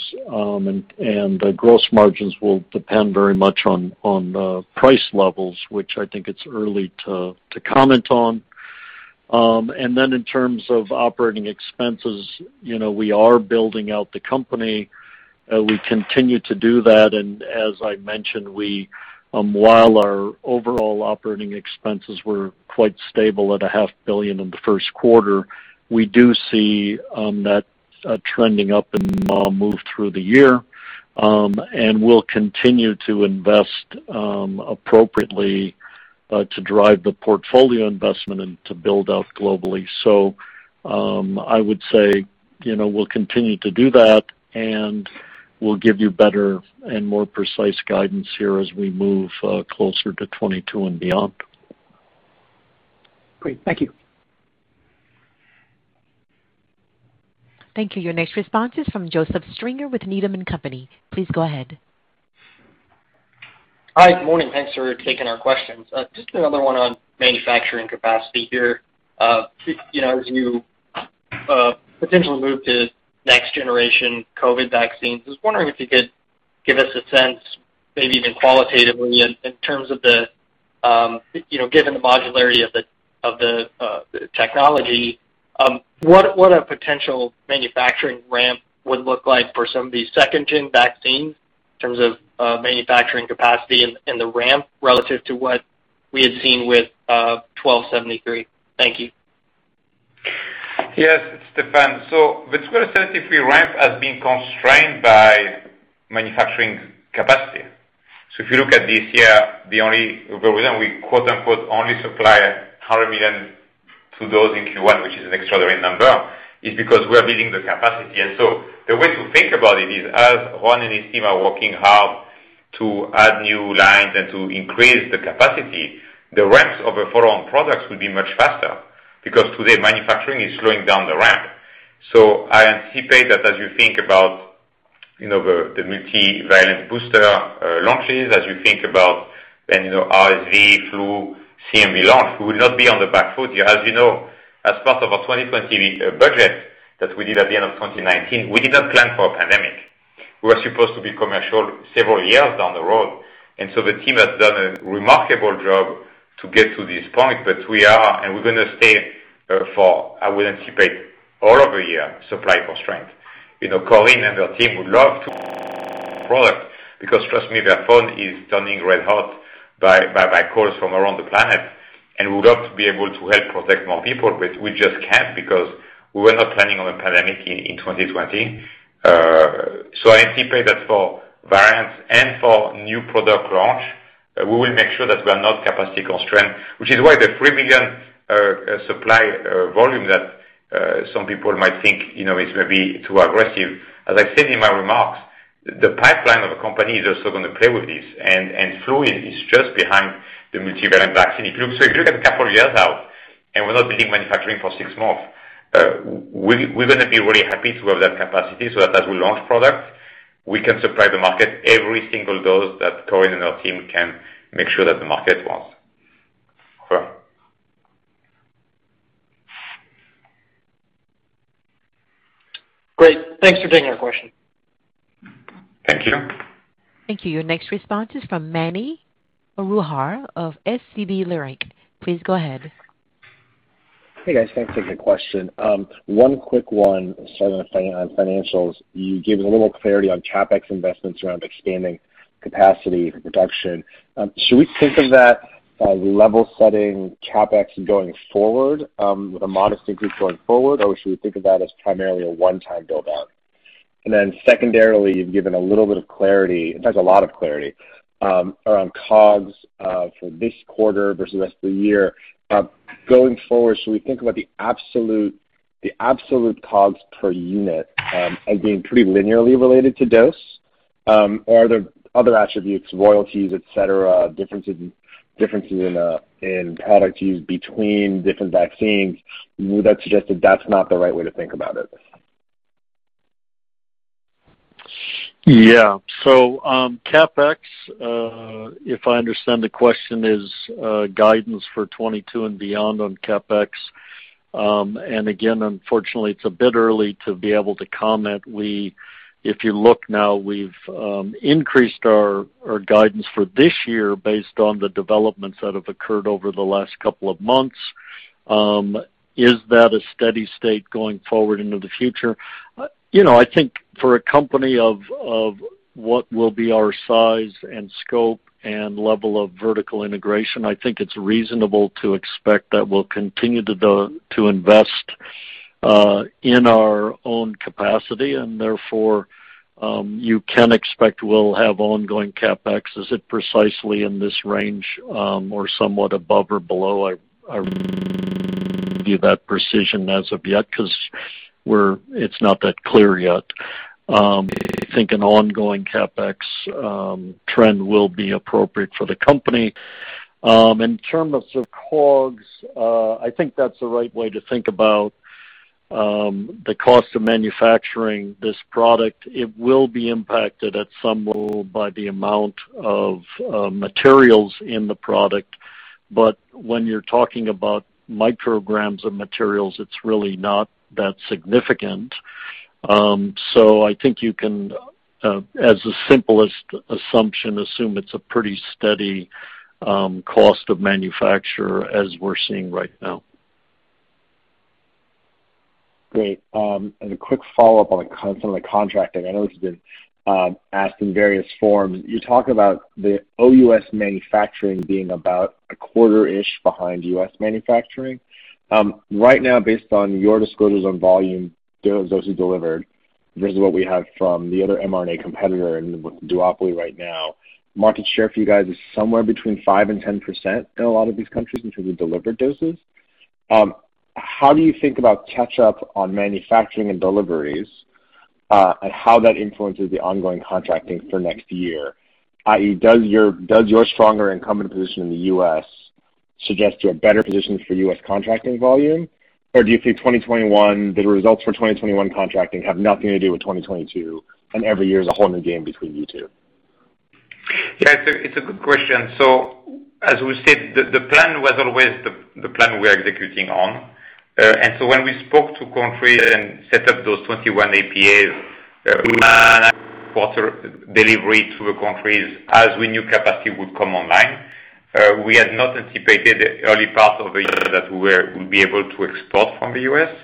and gross margins will depend very much on price levels, which I think it's early to comment on. In terms of operating expenses, we are building out the company. We continue to do that, and as I mentioned, while our overall operating expenses were quite stable at a half billion in the first quarter, we do see that trending up and move through the year. We'll continue to invest appropriately to drive the portfolio investment and to build out globally. I would say we'll continue to do that, and we'll give you better and more precise guidance here as we move closer to 2022 and beyond. Great. Thank you. Thank you. Your next response is from Joseph Stringer with Needham & Company. Please go ahead. Hi. Good morning. Thanks for taking our questions. Just another one on manufacturing capacity here. As you potentially move to next generation COVID vaccines, I was wondering if you could give us a sense, maybe even qualitatively in terms of given the modularity of the technology, what a potential manufacturing ramp would look like for some of these second-gen vaccines in terms of manufacturing capacity and the ramp relative to what we had seen with 1273. Thank you. Yes, it depends. The 1273 ramp has been constrained by manufacturing capacity. If you look at this year, the only reason we quote-unquote, only supply $100 million to those in Q1, which is an extraordinary number, is because we are building the capacity. The way to think about it is as Juan and his team are working hard to add new lines and to increase the capacity, the ramps of the follow-on products will be much faster, because today manufacturing is slowing down the ramp. I anticipate that as you think about the multivalent booster launches, as you think about RSV, flu, CMV launch, we will not be on the back foot here. As you know, as part of our 2020 budget that we did at the end of 2019, we did not plan for a pandemic. We were supposed to be commercial several years down the road. The team has done a remarkable job to get to this point. We are, and we're going to stay for, I would anticipate all of the year, supply constraint. Corinne and her team would love to product, because trust me, their phone is turning red-hot by calls from around the planet. We would love to be able to help protect more people, but we just can't because we were not planning on a pandemic in 2020. I anticipate that for variants and for new product launch, we will make sure that we're not capacity constrained, which is why the 3 million supply volume that some people might think is maybe too aggressive. As I said in my remarks, the pipeline of a company is also going to play with this. Flu is just behind the multivalent vaccine. If you look at a couple of years out, and we're not building manufacturing for six months, we're going to be really happy to have that capacity so that as we launch product, we can supply the market every single dose that Corinne and her team can make sure that the market wants. Over. Great. Thanks for taking our question. Thank you. Thank you. Your next response is from Mani Foroohar of SVB Leerink. Please go ahead. Hey, guys. Thanks for the question. One quick one, starting on financials. You gave a little clarity on CapEx investments around expanding capacity and production. Should we think of that as level setting CapEx going forward, with a modest increase going forward, or should we think of that as primarily a one-time build-out? Secondarily, you've given a little bit of clarity, in fact, a lot of clarity, around COGS for this quarter versus the rest of the year. Going forward, should we think about the absolute COGS per unit as being pretty linearly related to dose? Are there other attributes, royalties, et cetera, differences in product use between different vaccines. Would that suggest that that's not the right way to think about it? Yeah. CapEx, if I understand the question, is guidance for 2022 and beyond on CapEx. Again, unfortunately, it's a bit early to be able to comment. If you look now, we've increased our guidance for this year based on the developments that have occurred over the last couple of months. Is that a steady state going forward into the future? I think for a company of what will be our size and scope and level of vertical integration, I think it's reasonable to expect that we'll continue to invest in our own capacity, and therefore, you can expect we'll have ongoing CapEx. Is it precisely in this range, or somewhat above or below? I won't give you that precision as of yet because it's not that clear yet. I think an ongoing CapEx trend will be appropriate for the company. In terms of COGS, I think that's the right way to think about the cost of manufacturing this product. It will be impacted at some level by the amount of materials in the product. When you're talking about micrograms of materials, it's really not that significant. I think you can, as the simplest assumption, assume it's a pretty steady cost of manufacture as we're seeing right now. Great. A quick follow-up on some of the contracting. I know it's been asked in various forms. You talk about the OUS manufacturing being about a quarter-ish behind U.S. manufacturing. Right now, based on your disclosures on volume, doses delivered, versus what we have from the other mRNA competitor in the duopoly right now, market share for you guys is somewhere between 5% and 10% in a lot of these countries in terms of delivered doses. How do you think about catch-up on manufacturing and deliveries, and how that influences the ongoing contracting for next year? I.e., does your stronger incumbent position in the U.S. suggest you have better positions for U.S. contracting volume? Do you think the results for 2021 contracting have nothing to do with 2022, and every year is a whole new game between you two? Yeah, it's a good question. As we said, the plan was always the plan we're executing on. When we spoke to countries and set up those 21 APAs, delivery to the countries as we knew capacity would come online. We had not anticipated the early part of the year that we'll be able to export from the U.S.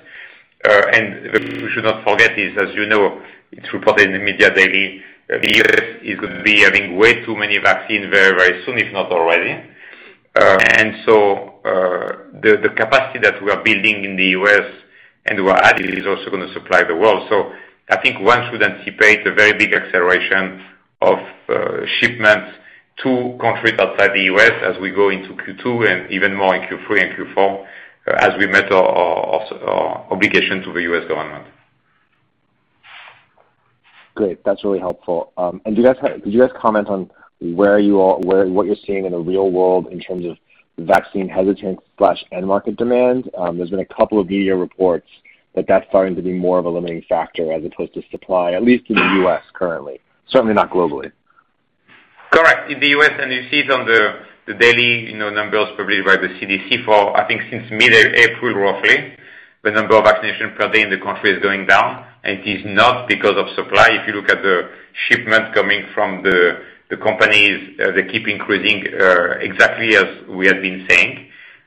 We should not forget is, as you know, it's reported in the media daily, the U.S. is going to be having way too many vaccines very soon, if not already. The capacity that we are building in the U.S. and we are adding is also going to supply the world. I think one should anticipate a very big acceleration of shipments to countries outside the U.S. as we go into Q2 and even more in Q3 and Q4 as we met our obligation to the U.S. government. Great. That's really helpful. Could you guys comment on what you're seeing in the real world in terms of vaccine hesitance/end market demand? There's been a couple of media reports that that's starting to be more of a limiting factor as opposed to supply, at least in the U.S. currently. Certainly not globally. Correct. In the U.S., you see it on the daily numbers provided by the CDC for, I think since mid-April, roughly, the number of vaccinations per day in the country is going down. It is not because of supply. If you look at the shipments coming from the companies, they keep increasing exactly as we have been saying.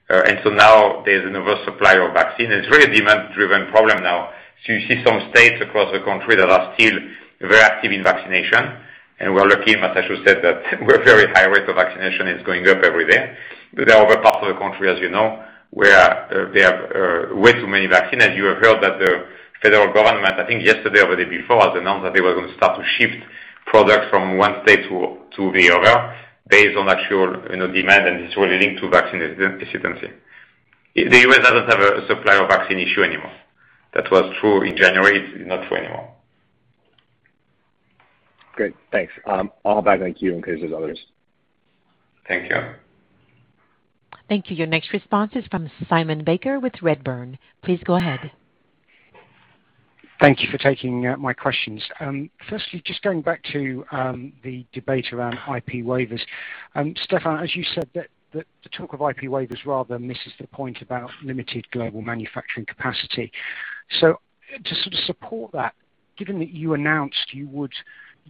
Now there's an oversupply of vaccine, and it's really a demand-driven problem now. You see some states across the country that are still very active in vaccination, and we're lucky in Massachusetts that our very high rate of vaccination is going up every day. There are other parts of the country, as you know, where they have way too many vaccines. You have heard that the federal government, I think yesterday or the day before, has announced that they were going to start to shift product from one state to the other based on actual demand, and it is relating to vaccine hesitancy. The U.S. doesn't have a supply of vaccine issue anymore. That was true in January. It's not true anymore. Great. Thanks. I'll hand back to you in case there's others. Thank you. Thank you. Your next response is from Simon Baker with Redburn. Please go ahead. Thank you for taking my questions. Firstly, just going back to the debate around IP waivers. Stéphane, as you said, the talk of IP waivers rather misses the point about limited global manufacturing capacity. To sort of support that, given that you announced you would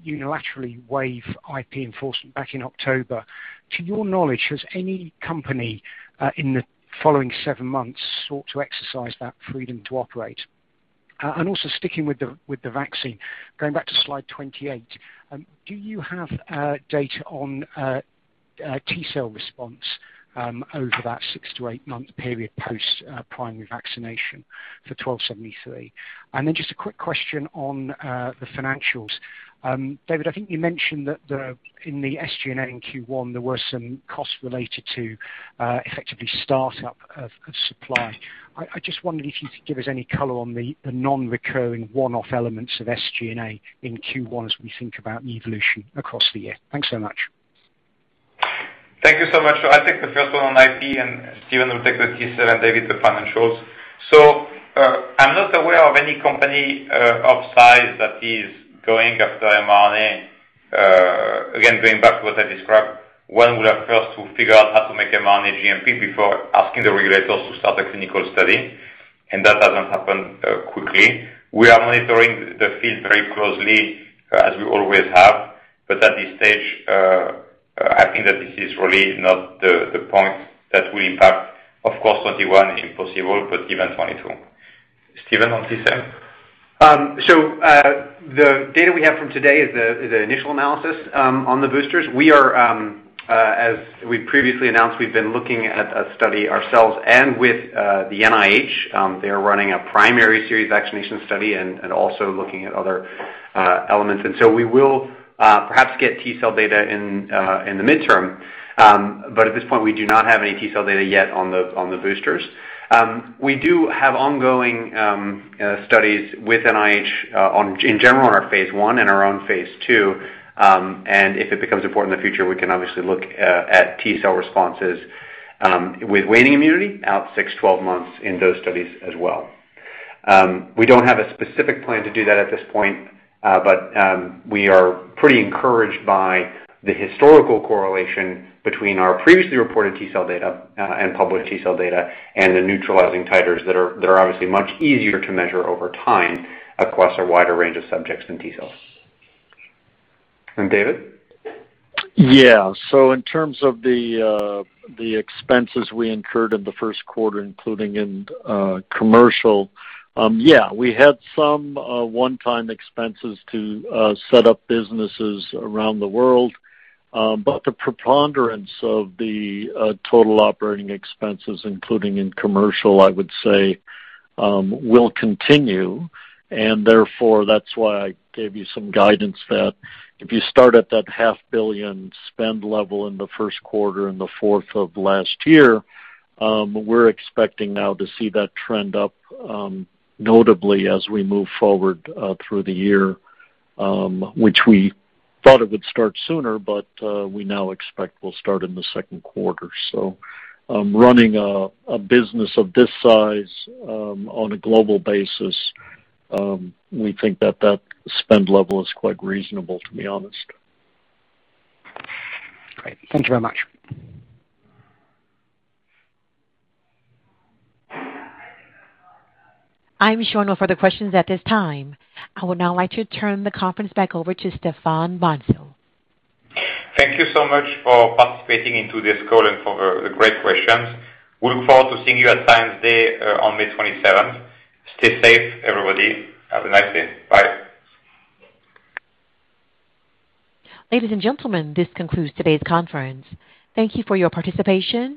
unilaterally waive IP enforcement back in October, to your knowledge, has any company in the following seven months sought to exercise that freedom to operate? Also sticking with the vaccine, going back to slide 28, do you have data on T-cell response over that six to eight-month period post primary vaccination for 1273? Then just a quick question on the financials. David, I think you mentioned that in the SG&A in Q1, there were some costs related to effectively startup of supply. I just wondered if you could give us any color on the non-recurring one-off elements of SG&A in Q1 as we think about evolution across the year. Thanks so much. Thank you so much. I'll take the first one on IP, and Stephen Hoge will take the T-cell, and David, the financials. I'm not aware of any company offsite that is going after mRNA. Again, going back to what I described, one will have first to figure out how to make mRNA GMP before asking the regulators to start a clinical study, and that doesn't happen quickly. We are monitoring the field very closely, as we always have. At this stage, I think that this is really not the point that will impact, of course, 2021 if possible, but even 2022. Stephen, on T-cell? The data we have from today is the initial analysis on the boosters. As we previously announced, we've been looking at a study ourselves and with the NIH. They're running a primary series vaccination study and also looking at other elements. We will perhaps get T-cell data in the midterm. At this point, we do not have any T-cell data yet on the boosters. We do have ongoing studies with NIH in general on our phase I and our own phase II. If it becomes important in the future, we can obviously look at T-cell responses with waning immunity out six, 12 months in those studies as well. We don't have a specific plan to do that at this point. We are pretty encouraged by the historical correlation between our previously reported T-cell data and published T-cell data and the neutralizing titers that are obviously much easier to measure over time across a wider range of subjects than T-cells. David? In terms of the expenses we incurred in the first quarter, including in commercial, we had some one-time expenses to set up businesses around the world. But the preponderance of the total operating expenses, including in commercial, I would say, will continue. That's why I gave you some guidance that if you start at that half billion spend level in the first quarter and the fourth of last year, we're expecting now to see that trend up notably as we move forward through the year, which we thought it would start sooner, but we now expect will start in the second quarter. Running a business of this size on a global basis, we think that that spend level is quite reasonable, to be honest. Great. Thank you very much. I'm showing no further questions at this time. I would now like to turn the conference back over to Stéphane Bancel. Thank you so much for participating in this call and for the great questions. We look forward to seeing you at Science Day on May 27th. Stay safe, everybody. Have a nice day. Bye. Ladies and gentlemen, this concludes today's conference. Thank you for your participation.